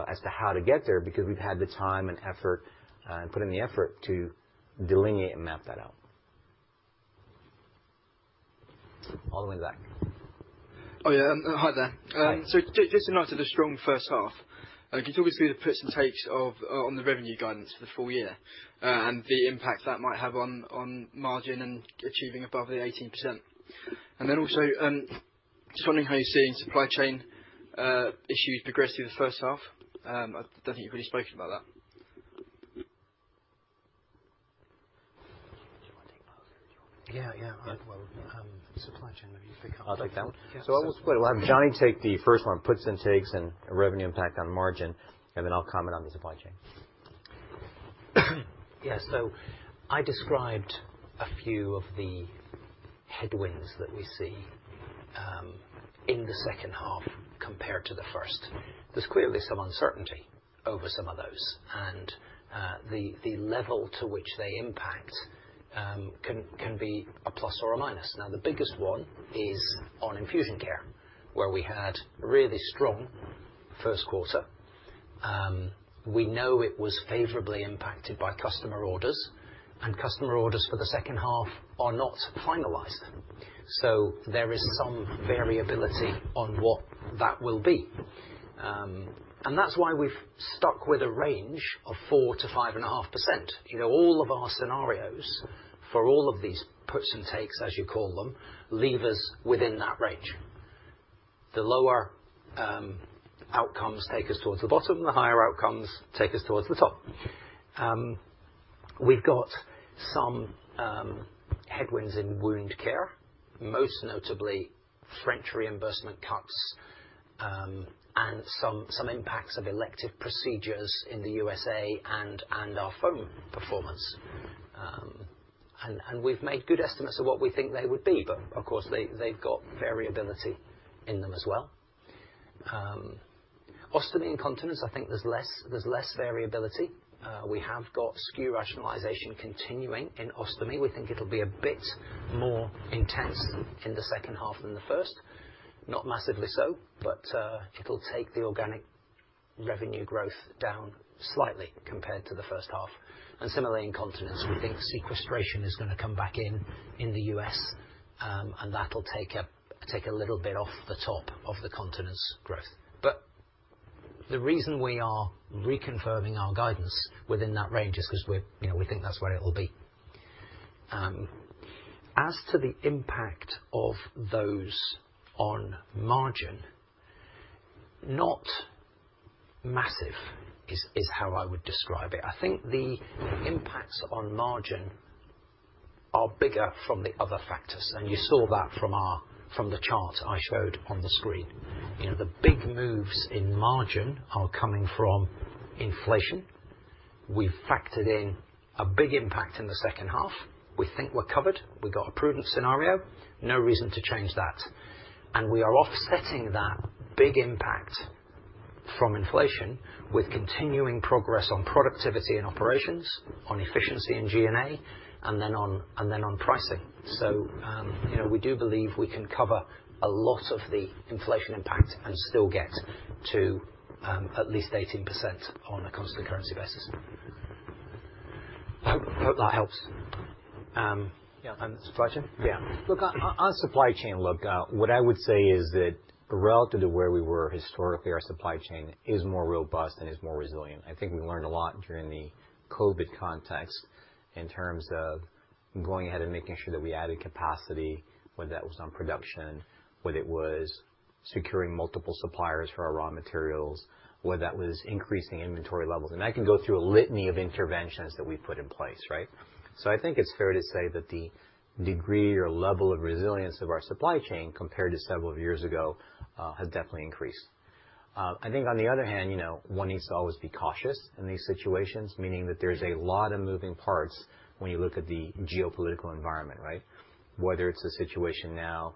as to how to get there because we've had the time and effort and put in the effort to delineate and map that out. All the way back. Oh, yeah. Hi there. Hi. Just in light of the strong first half, can you talk us through the puts and takes of, on the revenue guidance for the full year, and the impact that might have on margin and achieving above the 18%? Then also, just wondering how you're seeing supply chain, issues progress through the first half. I don't think you've really spoken about that. Do you wanna take that one? Do you wanna take that one? Yeah. Yeah. Yeah. I will. Supply chain, maybe you pick up. I'll take that one. Yeah. I'll split it. We'll have Jonny take the first one, puts and takes and revenue impact on margin, and then I'll comment on the supply chain. Yeah. I described a few of the headwinds that we see in the second half compared to the first. There's clearly some uncertainty over some of those. The level to which they impact can be a plus or a minus. Now, the biggest one is on Infusion Care, where we had a really strong first quarter. We know it was favorably impacted by customer orders, and customer orders for the second half are not finalized. There is some variability on what that will be. That's why we've stuck with a range of 4%-5.5%. You know, all of our scenarios for all of these puts and takes, as you call them, leave us within that range. The lower outcomes take us towards the bottom, the higher outcomes take us towards the top. We've got some headwinds in wound care, most notably French reimbursement cuts, and some impacts of elective procedures in the USA and our foam performance. We've made good estimates of what we think they would be, but of course, they've got variability in them as well. Ostomy and incontinence, I think there's less variability. We have got SKU rationalization continuing in ostomy. We think it'll be a bit more intense in the second half than the first. Not massively so, but it'll take the organic revenue growth down slightly compared to the first half. Similarly, in continence, we think sequestration is gonna come back in the US, and that'll take a little bit off the top of the continence's growth. The reason we are reconfirming our guidance within that range is 'cause we're, you know, we think that's where it will be. As to the impact of those on margin, not massive is how I would describe it. I think the impacts on margin are bigger from the other factors, and you saw that from the chart I showed on the screen. You know, the big moves in margin are coming from inflation. We've factored in a big impact in the second half. We think we're covered. We got a prudent scenario. No reason to change that. We are offsetting that big impact from inflation with continuing progress on productivity and operations, on efficiency in G&A, and then on pricing. You know, we do believe we can cover a lot of the inflation impact and still get to at least 18% on a constant currency basis. Hope that helps. Yeah, on supply chain. Look, on supply chain, what I would say is that relative to where we were historically, our supply chain is more robust and is more resilient. I think we learned a lot during the COVID context in terms of going ahead and making sure that we added capacity, whether that was on production, whether it was securing multiple suppliers for our raw materials, whether that was increasing inventory levels. I can go through a litany of interventions that we've put in place, right? I think it's fair to say that the degree or level of resilience of our supply chain compared to several years ago has definitely increased. I think on the other hand, you know, one needs to always be cautious in these situations, meaning that there's a lot of moving parts when you look at the geopolitical environment, right? Whether it's the situation now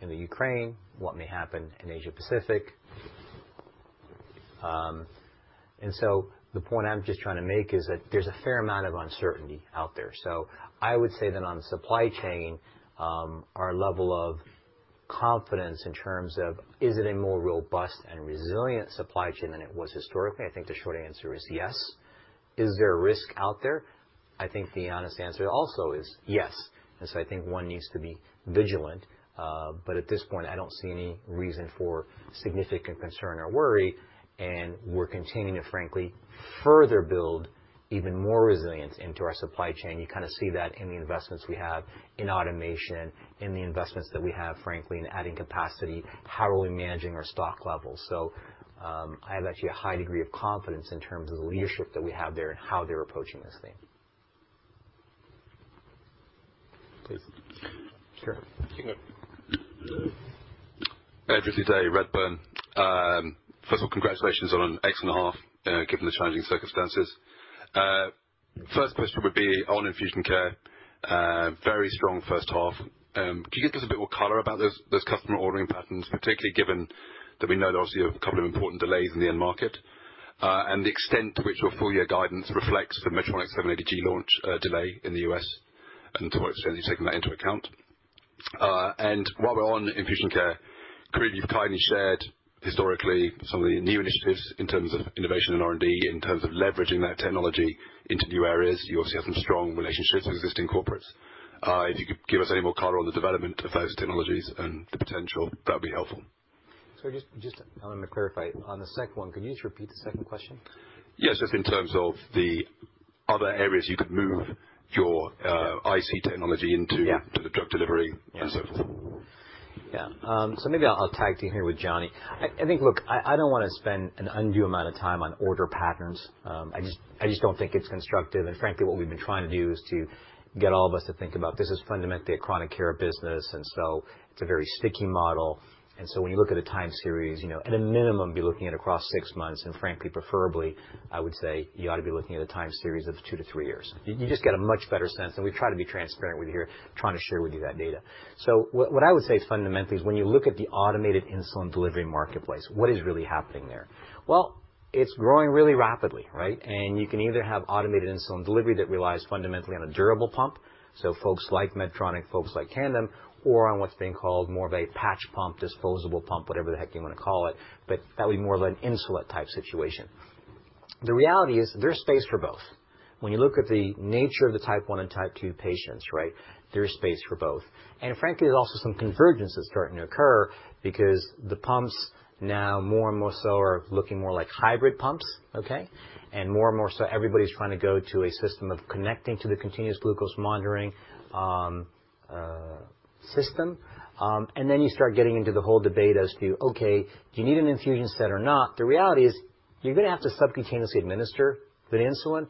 in the Ukraine, what may happen in Asia-Pacific. The point I'm just trying to make is that there's a fair amount of uncertainty out there. I would say then on supply chain, our level of confidence in terms of is it a more robust and resilient supply chain than it was historically? I think the short answer is yes. Is there a risk out there? I think the honest answer also is yes. I think one needs to be vigilant. At this point, I don't see any reason for significant concern or worry, and we're continuing to frankly further build even more resilience into our supply chain. You kinda see that in the investments we have in automation, frankly, in adding capacity, how we are managing our stock levels. I have actually a high degree of confidence in terms of the leadership that we have there and how they're approaching this thing. Please. Sure. Ed Ridley-Day, Redburn. First of all, congratulations on an excellent half, given the challenging circumstances. First question would be on Infusion Care. Very strong first half. Could you give us a bit more color about those customer ordering patterns, particularly given that we know there's obviously a couple of important delays in the end market, and the extent to which your full year guidance reflects the Medtronic 780G launch, delay in the US and to what extent you've taken that into account. While we're on Infusion Care, Karim Bitar, you've kindly shared historically some of the new initiatives in terms of innovation and R&D, in terms of leveraging that technology into new areas. You also have some strong relationships with existing corporates. If you could give us any more color on the development of those technologies and the potential, that'd be helpful. Just wanting to clarify. On the second one, could you just repeat the second question? Yes. Just in terms of the other areas you could move your IC technology into- Yeah. to the drug delivery and so forth. Yeah. Maybe I'll tag team here with Johnny. I think. Look, I don't wanna spend an undue amount of time on order patterns. I just don't think it's constructive. Frankly, what we've been trying to do is to get all of us to think about this is fundamentally a chronic care business, and so it's a very sticky model. When you look at a time series, you know, at a minimum, be looking at across six months, and frankly, preferably, I would say you ought to be looking at a time series of 2-3 years. You just get a much better sense, and we try to be transparent with you here, trying to share with you that data. What I would say fundamentally is when you look at the automated insulin delivery marketplace, what is really happening there? Well, it's growing really rapidly, right? You can either have automated insulin delivery that relies fundamentally on a durable pump, so folks like Medtronic, folks like Tandem, or on what's being called more of a patch pump, disposable pump, whatever the heck you wanna call it, but that'll be more of an Insulet-type situation. The reality is there's space for both. When you look at the nature of the type one and type two patients, right? There is space for both. Frankly, there's also some convergence that's starting to occur because the pumps now more and more so are looking more like hybrid pumps, okay? More and more so everybody's trying to go to a system of connecting to the continuous glucose monitoring system. You start getting into the whole debate as to, okay, do you need an infusion set or not? The reality is you're gonna have to subcutaneously administer the insulin.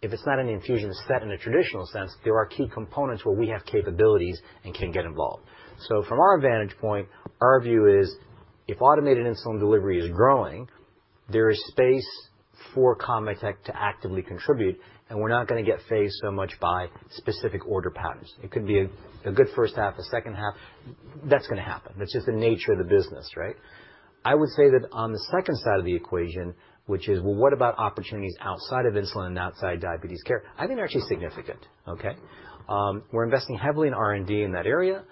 If it's not an infusion set in a traditional sense, there are key components where we have capabilities and can get involved. From our vantage point, our view is if automated insulin delivery is growing, there is space for ConvaTec to actively contribute, and we're not gonna get fazed so much by specific order patterns. It could be a good first half, a second half. That's gonna happen. That's just the nature of the business, right? I would say that on the second side of the equation, which is, well, what about opportunities outside of insulin and outside diabetes care? I think they're actually significant, okay? We're investing heavily in R&D in that area.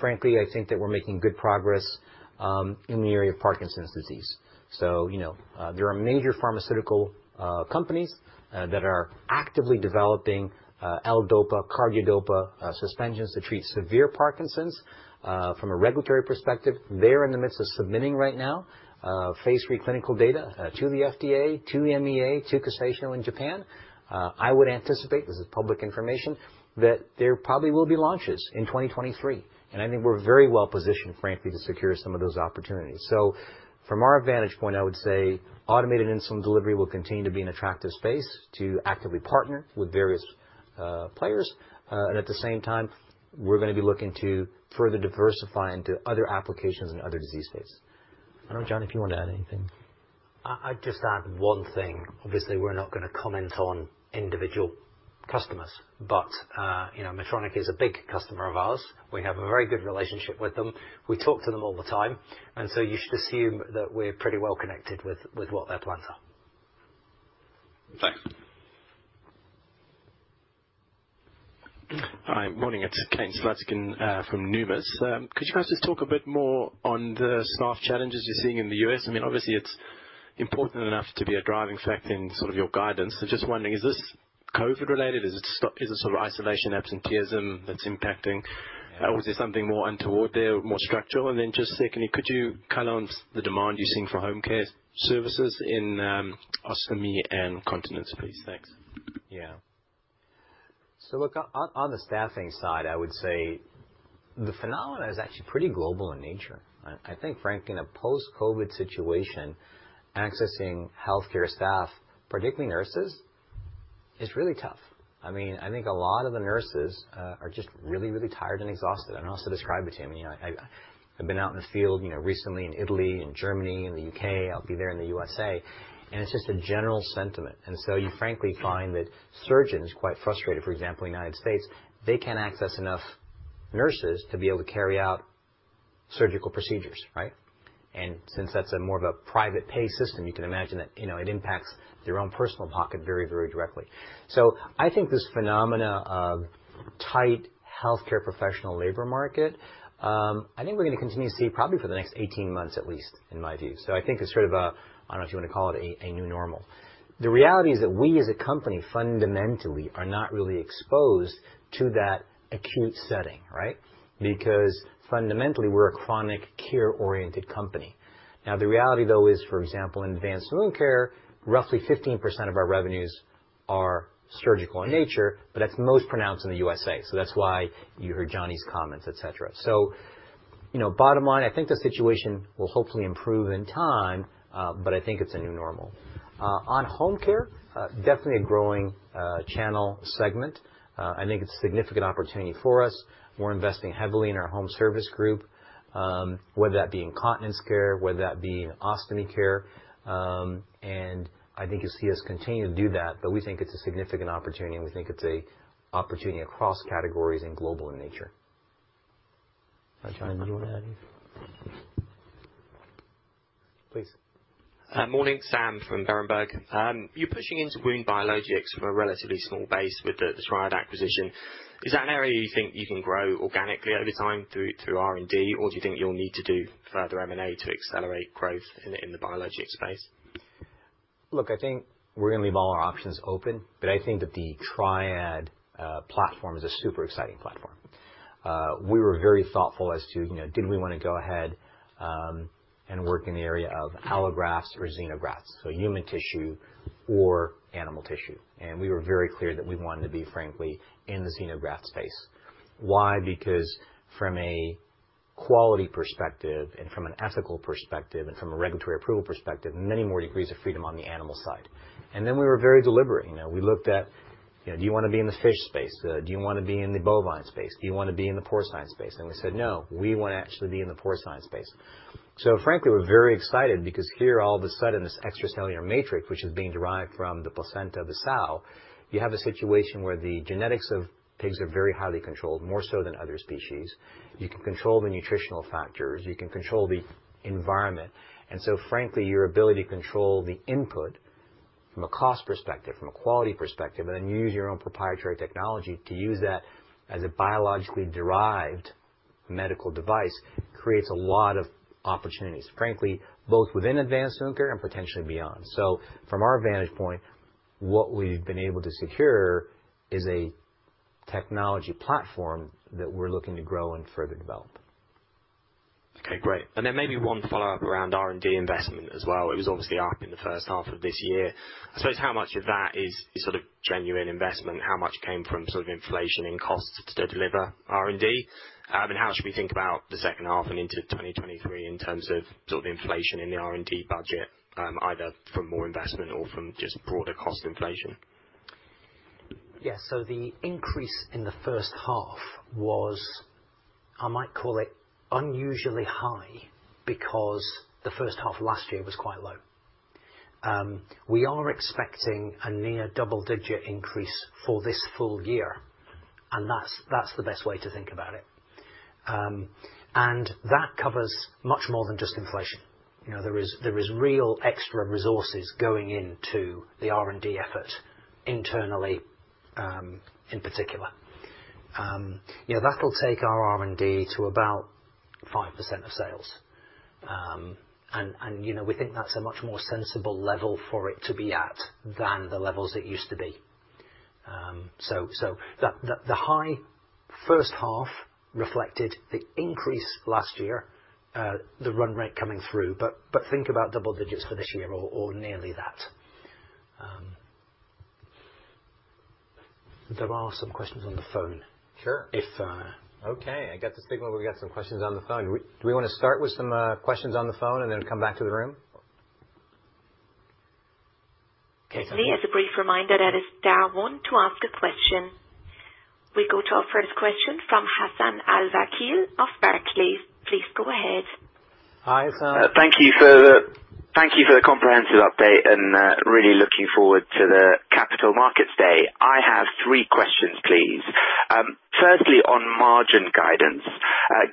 Frankly, I think that we're making good progress in the area of Parkinson's disease. You know, there are major pharmaceutical companies that are actively developing L-dopa, carbidopa suspensions to treat severe Parkinson's. From a regulatory perspective, they're in the midst of submitting right now phase three clinical data to the FDA, to EMA, to Kashinhou in Japan. I would anticipate, this is public information, that there probably will be launches in 2023, and I think we're very well positioned, frankly, to secure some of those opportunities. From our vantage point, I would say automated insulin delivery will continue to be an attractive space to actively partner with various players. At the same time, we're gonna be looking to further diversify into other applications and other disease states. I don't know, Jonny, if you want to add anything. I'd just add one thing. Obviously, we're not gonna comment on individual customers, but you know, Medtronic is a big customer of ours. We have a very good relationship with them. We talk to them all the time, and so you should assume that we're pretty well connected with what their plans are. Thanks. Hi. Morning. It's Kane Slutzkin from Numis. Could you guys just talk a bit more on the staff challenges you're seeing in the US? I mean, obviously, it's important enough to be a driving factor in sort of your guidance. Just wondering, is this COVID related? Is it sort of isolation, absenteeism that's impacting? Yeah. Is there something more untoward there, more structural? Just secondly, could you color on the demand you're seeing for homecare services in, ostomy and continence, please? Thanks. Yeah. Look, on the staffing side, I would say the phenomena is actually pretty global in nature. I think frankly, in a post-COVID situation, accessing healthcare staff, particularly nurses, is really tough. I mean, I think a lot of the nurses are just really tired and exhausted. I'll also describe it to you. I mean, you know, I've been out in the field, you know, recently in Italy and Germany and the U.K. I'll be there in the U.S.A. It's just a general sentiment. You frankly find that surgeons quite frustrated, for example, in the United States. They can't access enough nurses to be able to carry out surgical procedures, right? Since that's more of a private pay system, you can imagine that, you know, it impacts their own personal pocket very directly. I think this phenomenon of tight healthcare professional labor market. I think we're gonna continue to see probably for the next 18 months at least, in my view. I think it's sort of a. I don't know if you wanna call it a new normal. The reality is that we as a company fundamentally are not really exposed to that acute setting, right? Because fundamentally, we're a chronic care-oriented company. Now, the reality, though, is, for example, in Advanced Wound Care, roughly 15% of our revenues are surgical in nature, but that's most pronounced in the USA. That's why you heard Jonny's comments, et cetera. You know, bottom line, I think the situation will hopefully improve in time, but I think it's a new normal. On home care, definitely a growing channel segment. I think it's a significant opportunity for us. We're investing heavily in our Home Services Group, whether that be incontinence care, whether that be ostomy care. I think you'll see us continue to do that, but we think it's a significant opportunity, and we think it's a opportunity across categories and global in nature. Jonny, do you wanna add anything? Please. Morning, Sam from Berenberg. You're pushing into wound biologics from a relatively small base with the Triad acquisition. Is that an area you think you can grow organically over time through R&D, or do you think you'll need to do further M&A to accelerate growth in the biologic space? Look, I think we're gonna leave all our options open, but I think that the Triad platform is a super exciting platform. We were very thoughtful as to, you know, did we wanna go ahead and work in the area of allografts or xenografts, so human tissue or animal tissue. We were very clear that we wanted to be, frankly, in the xenograft space. Why? Because from a quality perspective and from an ethical perspective and from a regulatory approval perspective, many more degrees of freedom on the animal side. Then we were very deliberate. You know, we looked at, you know, do you wanna be in the fish space? Do you wanna be in the bovine space? Do you wanna be in the porcine space? We said, "No, we wanna actually be in the porcine space." Frankly, we're very excited because here, all of a sudden, this extracellular matrix, which is being derived from the placenta of the sow, you have a situation where the genetics of pigs are very highly controlled, more so than other species. You can control the nutritional factors. You can control the environment. Frankly, your ability to control the input from a cost perspective, from a quality perspective, and then use your own proprietary technology to use that as a biologically derived medical device creates a lot of opportunities, frankly, both within Advanced Wound Care and potentially beyond. From our vantage point, what we've been able to secure is a technology platform that we're looking to grow and further develop. Okay, great. Maybe one follow-up around R&D investment as well. It was obviously up in the first half of this year. I suppose how much of that is sort of genuine investment? How much came from sort of inflation in costs to deliver R&D? How should we think about the second half and into 2023 in terms of sort of inflation in the R&D budget, either from more investment or from just broader cost inflation? Yeah. The increase in the first half was, I might call it unusually high because the first half of last year was quite low. We are expecting a near double-digit increase for this full year, and that's the best way to think about it. That covers much more than just inflation. You know, there is real extra resources going into the R&D effort internally, in particular. You know, that'll take our R&D to about 5% of sales. You know, we think that's a much more sensible level for it to be at than the levels it used to be. The high first half reflected the increase last year, the run rate coming through, but think about double digits for this year or nearly that. There are some questions on the phone. Sure. If, uh- Okay, I get the signal we've got some questions on the phone. Do we wanna start with some questions on the phone and then come back to the room? Okay. Just a brief reminder that it's star one to ask a question. We go to our first question from Hassan Al-Wakeel of Barclays. Please go ahead. Hi, Hassan. Thank you for the comprehensive update and really looking forward to the Capital Markets Day. I have three questions, please. Firstly, on margin guidance,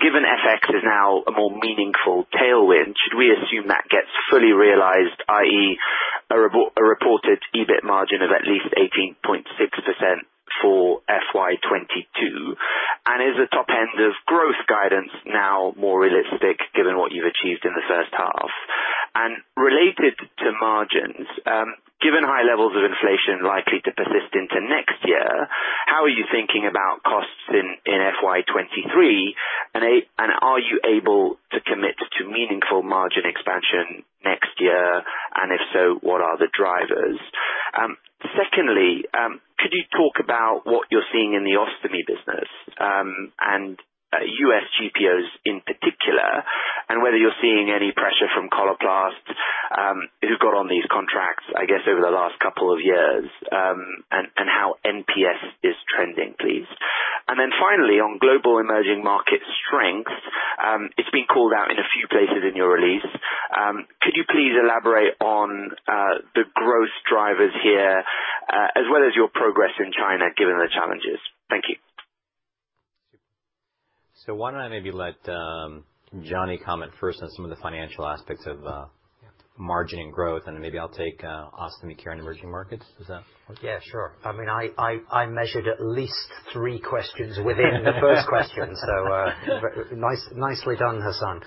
given FX is now a more meaningful tailwind, should we assume that gets fully realized, i.e., a reported EBIT margin of at least 18.6% for FY 2022? Is the top end of growth guidance now more realistic given what you've achieved in the first half? Related to margins, given high levels of inflation likely to persist into next year, how are you thinking about costs in FY 2023, and are you able to commit to meaningful margin expansion next year? If so, what are the drivers? Secondly, could you talk about what you're seeing in the ostomy business, and US GPOs in particular and whether you're seeing any pressure from Coloplast, who got on these contracts, I guess, over the last couple of years, and how NPS is trending, please. Then finally, on global emerging market strength, it's been called out in a few places in your release. Could you please elaborate on the growth drivers here, as well as your progress in China, given the challenges? Thank you. Why don't I maybe let Johnny comment first on some of the financial aspects of Yeah. -margin and growth, and maybe I'll take, Ostomy Care and emerging markets. Does that work? Yeah, sure. I mean, I measured at least three questions within the first question. Nicely done, Hassan.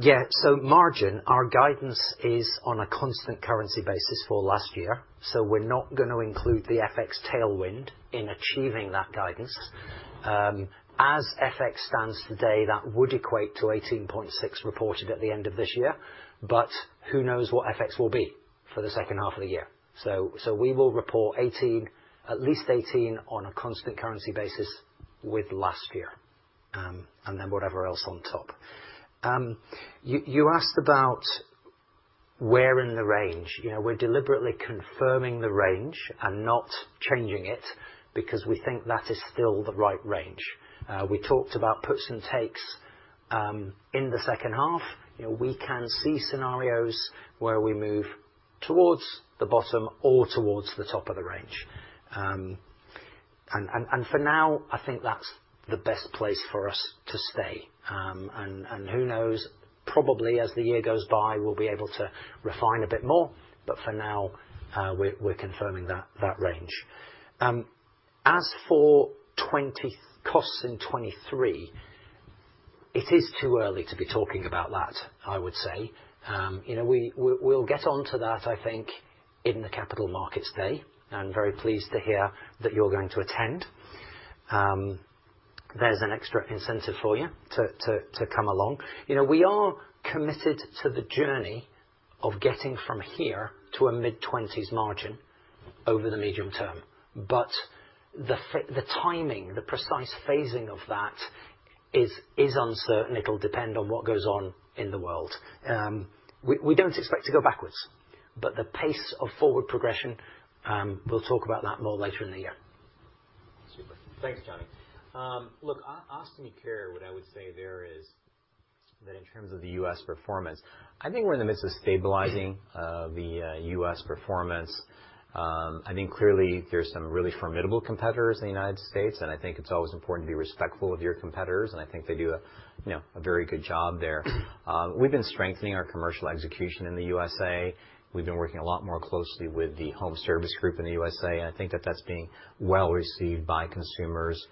Yeah, margin, our guidance is on a constant currency basis for last year, so we're not gonna include the FX tailwind in achieving that guidance. As FX stands today, that would equate to 18.6% reported at the end of this year, but who knows what FX will be for the second half of the year. We will report 18%, at least 18% on a constant currency basis with last year, and then whatever else on top. You asked about where in the range. You know, we're deliberately confirming the range and not changing it because we think that is still the right range. We talked about puts and takes in the second half. You know, we can see scenarios where we move towards the bottom or towards the top of the range. For now, I think that's the best place for us to stay. Who knows, probably as the year goes by, we'll be able to refine a bit more, but for now, we're confirming that range. As for costs in 2023, it is too early to be talking about that, I would say. You know, we'll get onto that, I think, in the Capital Markets Day. I'm very pleased to hear that you're going to attend. There's an extra incentive for you to come along. You know, we are committed to the journey of getting from here to a mid-20s% margin over the medium term. The timing, the precise phasing of that is uncertain. It'll depend on what goes on in the world. We don't expect to go backwards, but the pace of forward progression, we'll talk about that more later in the year. Super. Thanks, Jonny. Look, Ostomy Care, what I would say there is that in terms of the U.S. performance, I think we're in the midst of stabilizing the U.S. performance. I think clearly there's some really formidable competitors in the United States, and I think it's always important to be respectful of your competitors, and I think they do a, you know, a very good job there. We've been strengthening our commercial execution in the U.S.A. We've been working a lot more closely with the Home Services Group in the U.S.A., and I think that's being well received by consumers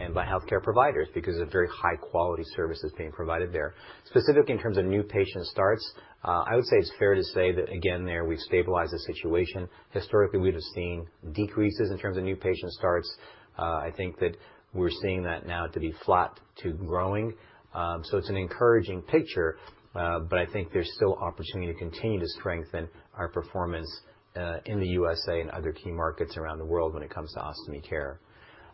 and by healthcare providers because a very high quality service is being provided there. Specifically in terms of new patient starts, I would say it's fair to say that again, there we've stabilized the situation. Historically, we'd have seen decreases in terms of new patient starts. I think that we're seeing that now to be flat to growing. It's an encouraging picture, but I think there's still opportunity to continue to strengthen our performance in the USA and other key markets around the world when it comes to Ostomy Care.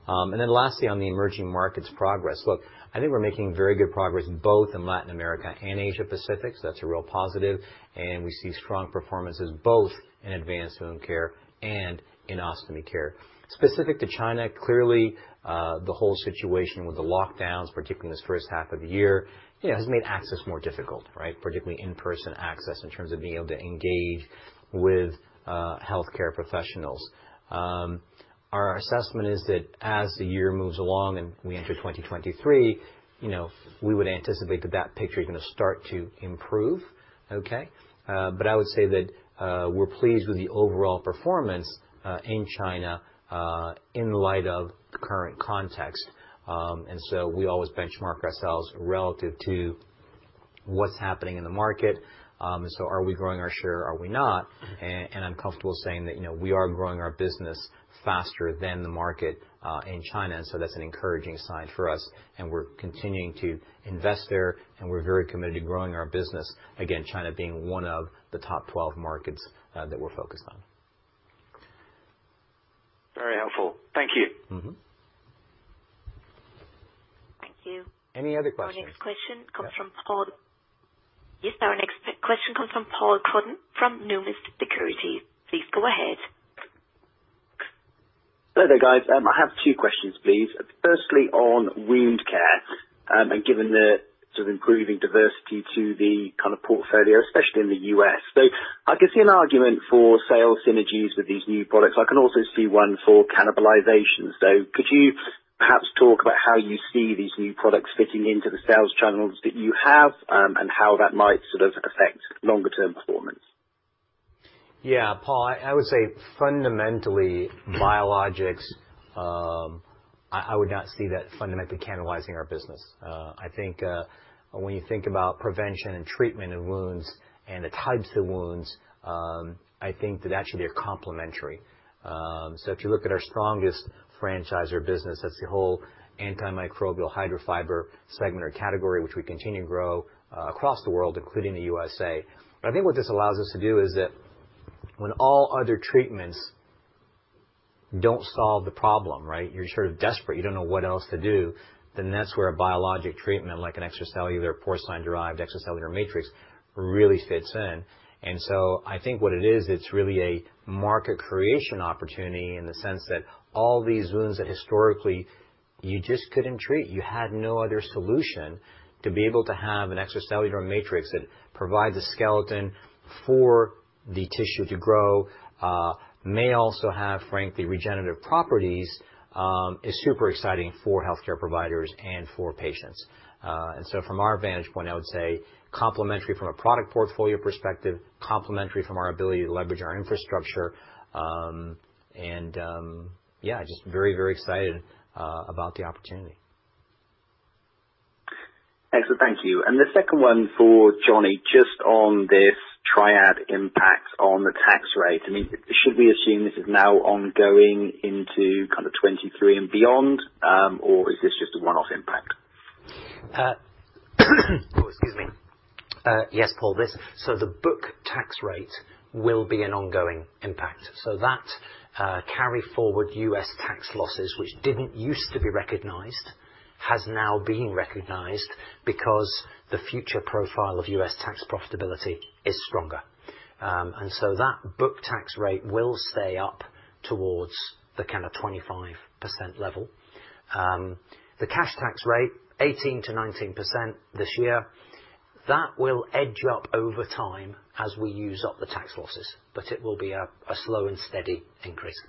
Lastly, on the emerging markets progress. Look, I think we're making very good progress both in Latin America and Asia Pacific, that's a real positive. We see strong performances both in Advanced Wound Care and in Ostomy Care. Specific to China, clearly, the whole situation with the lockdowns, particularly in this first half of the year, you know, has made access more difficult, right? Particularly in-person access in terms of being able to engage with healthcare professionals. Our assessment is that as the year moves along and we enter 2023, you know, we would anticipate that picture is gonna start to improve, okay? I would say that we're pleased with the overall performance in China in light of the current context. We always benchmark ourselves relative to what's happening in the market. Are we growing our share? Are we not? I'm comfortable saying that, you know, we are growing our business faster than the market in China, and so that's an encouraging sign for us, and we're continuing to invest there, and we're very committed to growing our business. Again, China being one of the top 12 markets that we're focused on. Very helpful. Thank you. Mm-hmm. Thank you. Any other questions? Yes, our next question comes from Paul Cuddon, from Numis Securities. Please go ahead. Hi there, guys. I have two questions, please. Firstly, on wound care, and given the sort of improving diversity to the kind of portfolio, especially in the U.S. I can see an argument for sales synergies with these new products. I can also see one for cannibalization. Could you perhaps talk about how you see these new products fitting into the sales channels that you have, and how that might sort of affect longer term performance? Yeah. Paul, I would say fundamentally biologics. I would not see that fundamentally cannibalizing our business. I think when you think about prevention and treatment of wounds and the types of wounds, I think that actually they're complementary. If you look at our strongest franchise or business, that's the whole antimicrobial Hydrofiber segment or category, which we continue to grow across the world, including the USA. I think what this allows us to do is that when all other treatments don't solve the problem, right? You're sort of desperate, you don't know what else to do, then that's where a biologic treatment like an extracellular, porcine-derived extracellular matrix really fits in. I think what it is, it's really a market creation opportunity in the sense that all these wounds that historically you just couldn't treat, you had no other solution to be able to have an extracellular matrix that provides a skeleton for the tissue to grow, may also have, frankly, regenerative properties, is super exciting for healthcare providers and for patients. From our vantage point, I would say complementary from a product portfolio perspective, complementary from our ability to leverage our infrastructure. Yeah, just very, very excited about the opportunity. Excellent. Thank you. The second one for Jonny, just on this Triad impact on the tax rate. I mean, should we assume this is now ongoing into kind of 2023 and beyond? Or is this just a one-off impact? Yes, Paul. The book tax rate will be an ongoing impact. That carry forward U.S. tax losses, which didn't used to be recognized, has now been recognized because the future profile of U.S. tax profitability is stronger. That book tax rate will stay up towards the kind of 25% level. The cash tax rate 18%-19% this year. That will edge up over time as we use up the tax losses. It will be a slow and steady increase.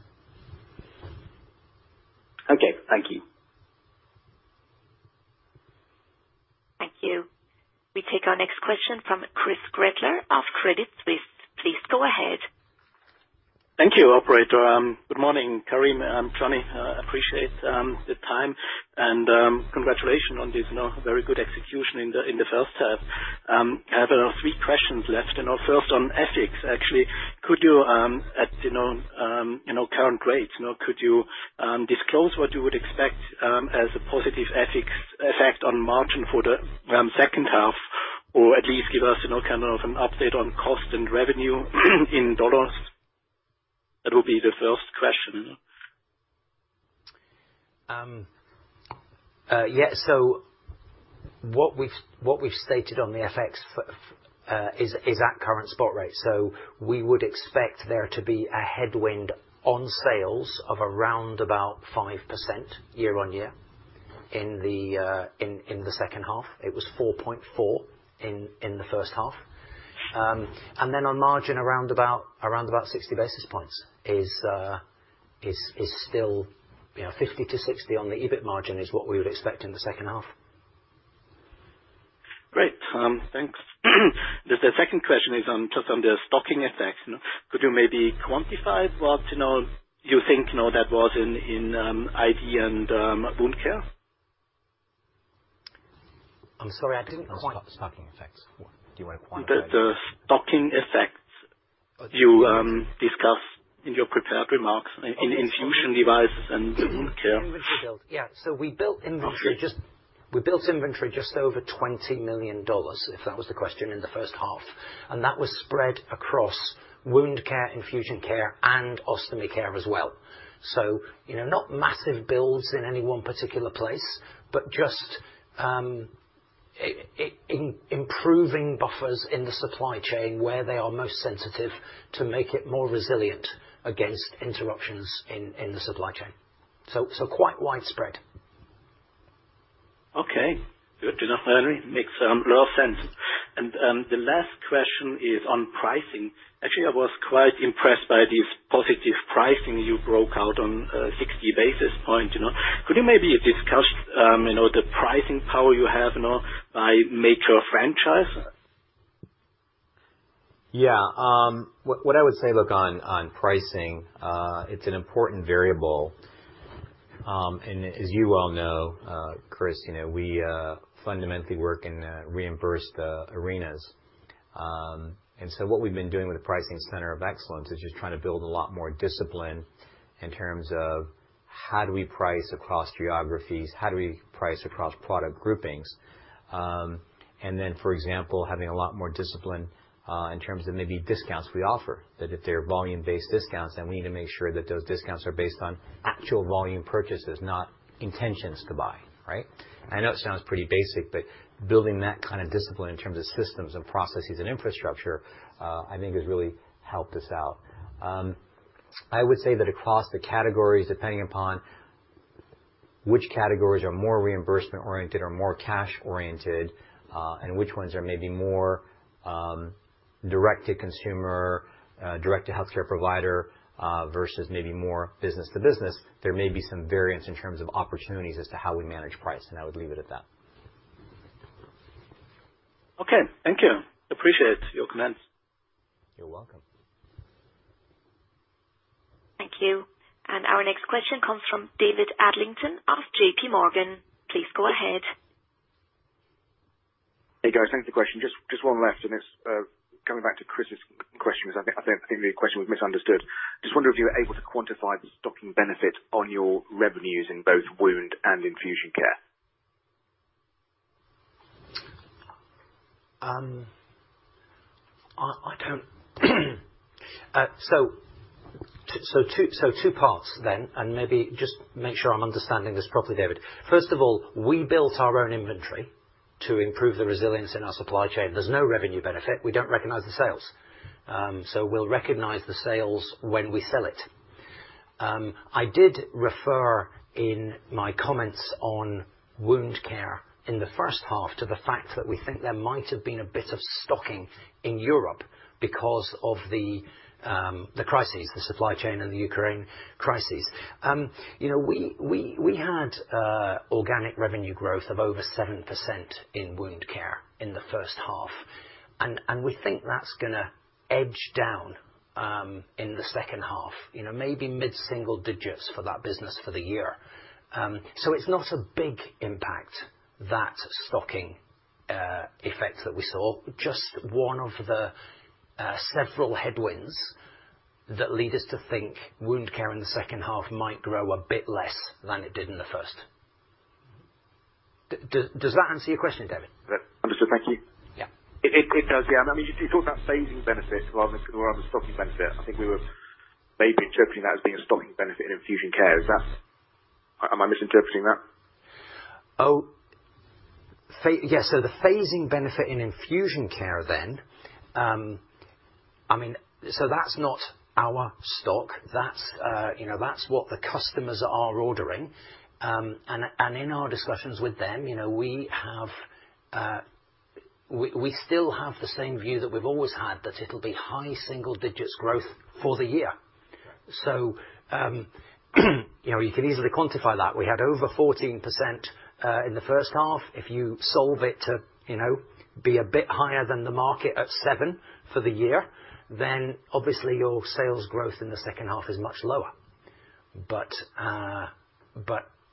Okay. Thank you. Thank you. We take our next question from Chris Gretler of Credit Suisse. Please go ahead. Thank you, operator. Good morning, Karim, Jonny. Appreciate the time and congratulations on this, you know, very good execution in the first half. I have three questions left. You know, first on FX, actually. Could you, at you know you know current rates, you know, disclose what you would expect as a positive FX effect on margin for the second half? Or at least give us, you know, kind of an update on cost and revenue in dollars. That will be the first question. What we've stated on the FX is at current spot rate. We would expect there to be a headwind on sales of around about 5% year-on-year in the second half. It was 4.4 in the first half. Then on margin, around about 60 basis points is still. You know, 50-60 on the EBIT margin is what we would expect in the second half. Great. Thanks. The second question is on, just on the stocking effects. Could you maybe quantify what, you know, you think, you know, that was in ID and wound care? I'm sorry, I didn't quite- The stock, the stocking effects. Do you wanna quantify- The stocking effects. Oh you discussed in your prepared remarks. Oh... in infusion device and wound care. Inventory build. Yeah. We built inventory. Okay. We built inventory just over $20 million, if that was the question, in the first half. That was spread across Wound Care, Infusion Care, and Ostomy Care as well. You know, not massive builds in any one particular place. Just improving buffers in the supply chain where they are most sensitive to make it more resilient against interruptions in the supply chain. Quite widespread. Okay. Good to know. Makes a lot of sense. The last question is on pricing. Actually, I was quite impressed by this positive pricing you broke out on, 60 basis points, you know. Could you maybe discuss, you know, the pricing power you have, you know, by major franchise? Yeah. What I would say, look, on pricing, it's an important variable. As you well know, Chris, you know, we fundamentally work in reimbursed arenas. What we've been doing with the pricing center of excellence is just trying to build a lot more discipline in terms of how do we price across geographies, how do we price across product groupings. For example, having a lot more discipline in terms of maybe discounts we offer. That if they're volume-based discounts, then we need to make sure that those discounts are based on actual volume purchases, not intentions to buy, right? I know it sounds pretty basic. Building that kind of discipline in terms of systems and processes and infrastructure, I think has really helped us out. I would say that across the categories, depending upon which categories are more reimbursement oriented or more cash oriented, and which ones are maybe more, direct to consumer, direct to healthcare provider, versus maybe more business to business. There may be some variance in terms of opportunities as to how we manage price. I would leave it at that. Okay. Thank you. Appreciate your comments. You're welcome. Thank you. Our next question comes from David Adlington of JP Morgan. Please go ahead. Hey, guys. Thanks for the question. Just one last on this. Coming back to Chris's question, because I think maybe the question was misunderstood. Just wonder if you were able to quantify the stocking benefit on your revenues in both wound and infusion care. Two parts then. Maybe just make sure I'm understanding this properly, David. First of all, we built our own inventory to improve the resilience in our supply chain. There's no revenue benefit. We don't recognize the sales. We'll recognize the sales when we sell it. I did refer in my comments on wound care in the first half to the fact that we think there might have been a bit of stocking in Europe because of the crises, the supply chain and the Ukraine crises. You know, we had organic revenue growth of over 7% in wound care in the first half. We think that's gonna edge down in the second half. You know, maybe mid-single digits for that business for the year. It's not a big impact that stocking effects that we saw. Just one of the several headwinds that lead us to think wound care in the second half might grow a bit less than it did in the first. Does that answer your question, David Adlington? Understood. Thank you. Yeah. It does, yeah. I mean, you talked about phasing benefits rather than the stocking benefit. I think we were maybe interpreting that as being a stocking benefit in Infusion Care. Is that. Am I misinterpreting that? Yes. The phasing benefit in Infusion Care then, I mean, that's not our stock. That's, you know, that's what the customers are ordering. In our discussions with them, you know, we still have the same view that we've always had, that it'll be high single digits growth for the year. Okay. You know, you can easily quantify that. We had over 14% in the first half. If you annualize it to be a bit higher than the market at 7% for the year, then obviously your sales growth in the second half is much lower.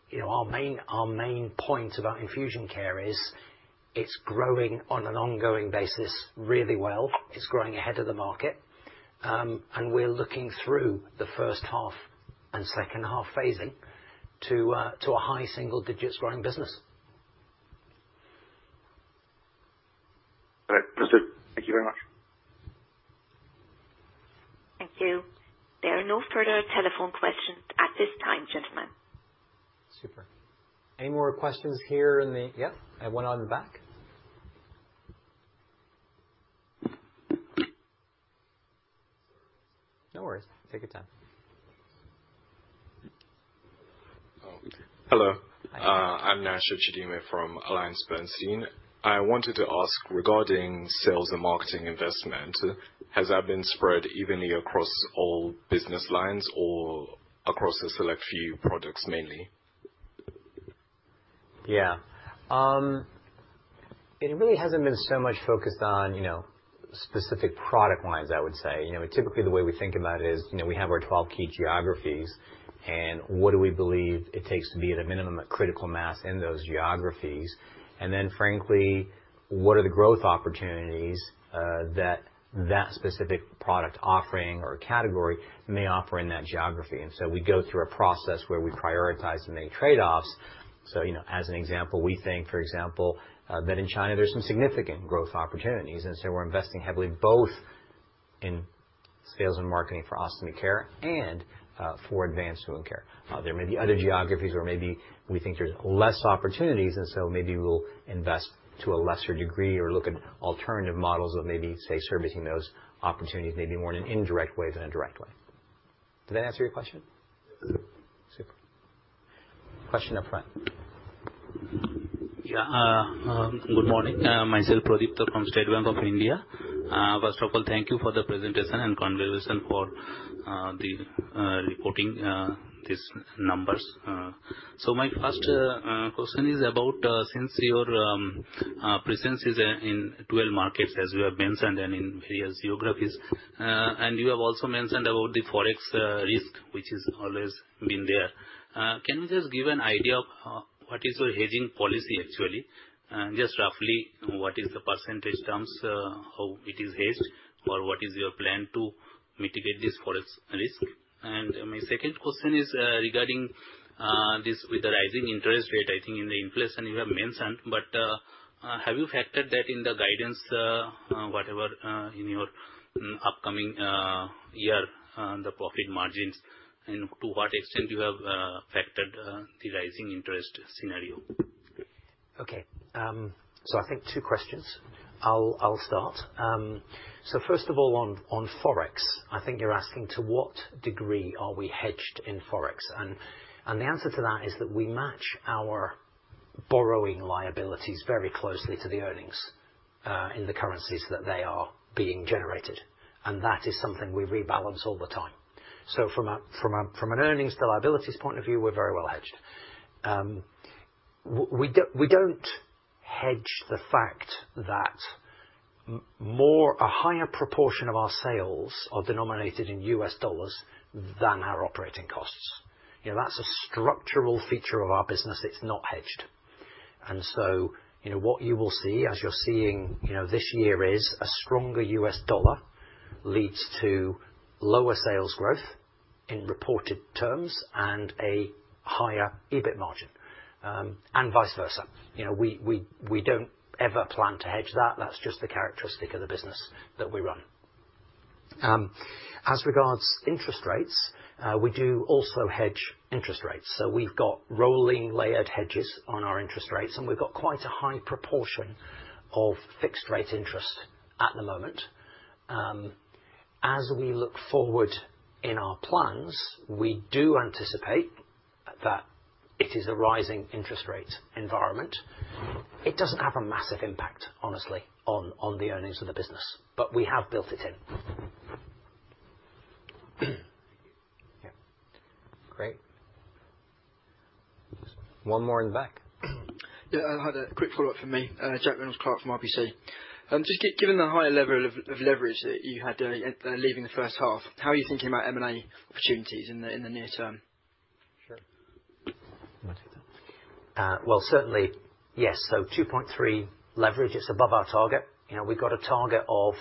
You know, our main point about Infusion Care is it's growing on an ongoing basis really well. It's growing ahead of the market. We're looking through the first half and second half phasing to a high single digits growing business. All right. Understood. Thank you very much. Thank you. There are no further telephone questions at this time, gentlemen. Super. Any more questions here? Yep, I have one on the back. No worries. Take your time. Oh, hello. Hi. I'm Anchal Verma from AllianceBernstein. I wanted to ask, regarding sales and marketing investment, has that been spread evenly across all business lines or across a select few products mainly? Yeah. It really hasn't been so much focused on, you know, specific product lines, I would say. You know, typically the way we think about it is, you know, we have our 12 key geographies, and what do we believe it takes to be at a minimum, a critical mass in those geographies. Frankly, what are the growth opportunities that specific product offering or category may offer in that geography. We go through a process where we prioritize and make trade-offs. You know, as an example, we think, for example, that in China there's some significant growth opportunities, and so we're investing heavily both in sales and marketing for Ostomy Care and, for Advanced Wound Care. There may be other geographies where maybe we think there's less opportunities, and so maybe we'll invest to a lesser degree or look at alternative models of maybe, say, servicing those opportunities maybe more in an indirect way than a direct way. Did that answer your question? Yes. Super. Question up front. Good morning. Myself, Pradipta from State Bank of India. First of all, thank you for the presentation and congratulations for the reporting these numbers. My first question is about since your presence is in 12 markets as you have mentioned and in various geographies, and you have also mentioned about the Forex risk, which has always been there. Can you just give an idea of what is your hedging policy actually? Just roughly what is the percentage terms how it is hedged or what is your plan to mitigate this Forex risk? My second question is, regarding this with the rising interest rate, I think in the inflation you have mentioned, but have you factored that in the guidance, whatever, in your upcoming year on the profit margins, and to what extent you have factored the rising interest scenario? Okay. I think two questions. I'll start. First of all, on FX, I think you're asking to what degree are we hedged in FX. The answer to that is that we match our borrowing liabilities very closely to the earnings in the currencies that they are being generated. That is something we rebalance all the time. From an earnings to liabilities point of view, we're very well hedged. We don't hedge the fact that a higher proportion of our sales are denominated in US dollars than our operating costs. You know, that's a structural feature of our business. It's not hedged. You know, what you will see as you're seeing, you know, this year is a stronger U.S. dollar leads to lower sales growth in reported terms and a higher EBIT margin, and vice versa. You know, we don't ever plan to hedge that. That's just the characteristic of the business that we run. As regards interest rates, we do also hedge interest rates. We've got rolling layered hedges on our interest rates, and we've got quite a high proportion of fixed rate interest at the moment. As we look forward in our plans, we do anticipate that it is a rising interest rate environment. It doesn't have a massive impact, honestly, on the earnings of the business, but we have built it in. Thank you. Yeah. Great. One more in the back. Yeah, I had a quick follow-up for me. Jack Reynolds-Clark from RBC. Just given the high level of leverage that you had leaving the first half, how are you thinking about M&A opportunities in the near term? Sure. You wanna take that? Well, certainly, yes. 2.3 leverage is above our target. You know, we've got a target of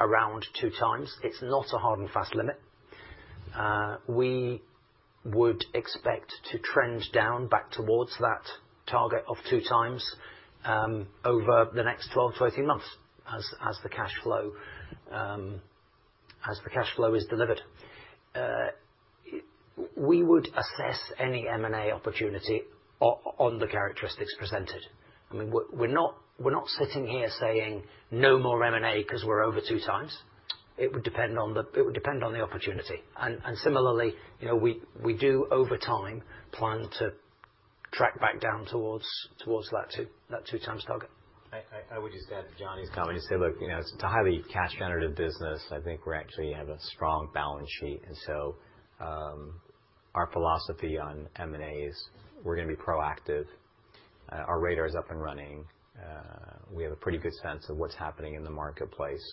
around 2x. It's not a hard and fast limit. We would expect to trend down back towards that target of 2x over the next 12-13 months as the cash flow is delivered. We would assess any M&A opportunity on the characteristics presented. I mean, we're not sitting here saying, "No more M&A," because we're over 2x. It would depend on the opportunity. Similarly, you know, we do, over time, plan to track back down towards that 2x target. I would just add to Jonny's comment and say, look, you know, it's a highly cash generative business. I think we're actually have a strong balance sheet. Our philosophy on M&A is we're gonna be proactive. Our radar is up and running. We have a pretty good sense of what's happening in the marketplace.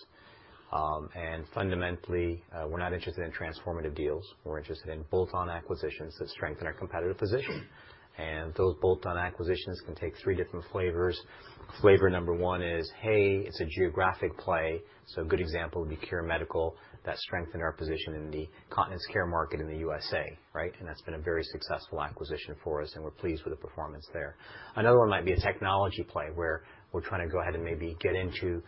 Fundamentally, we're not interested in transformative deals. We're interested in bolt-on acquisitions that strengthen our competitive position. Those bolt-on acquisitions can take three different flavors. Flavor number one is, hey, it's a geographic play. A good example would be Cure Medical. That strengthened our position in the Continence Care market in the USA, right? That's been a very successful acquisition for us, and we're pleased with the performance there. Another one might be a technology play where we're trying to go ahead and maybe get into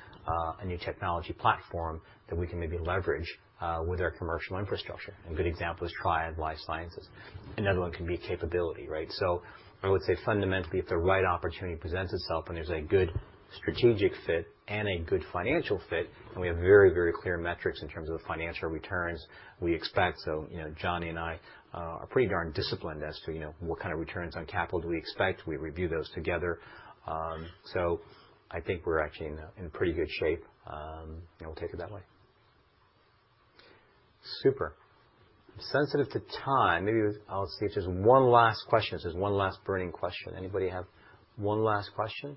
a new technology platform that we can maybe leverage with our commercial infrastructure. A good example is Triad Life Sciences. Another one can be capability, right? I would say fundamentally, if the right opportunity presents itself and there's a good strategic fit and a good financial fit, then we have very, very clear metrics in terms of the financial returns we expect. You know, Jonny and I are pretty darn disciplined as to what kind of returns on capital do we expect. We review those together. I think we're actually in pretty good shape. We'll take it that way. Super. I'm sensitive to time. Maybe I'll see if there's one last question. If there's one last burning question. Anybody have one last question?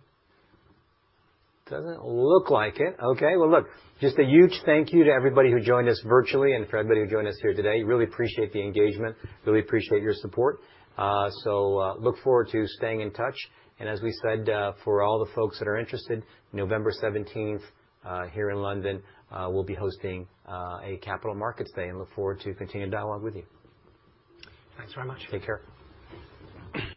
Doesn't look like it. Okay. Well, look, just a huge thank you to everybody who joined us virtually and for everybody who joined us here today. Really appreciate the engagement. Really appreciate your support. Look forward to staying in touch. As we said, for all the folks that are interested, November seventeenth, here in London, we'll be hosting a Capital Markets Day, and look forward to continuing dialogue with you. Thanks very much. Take care.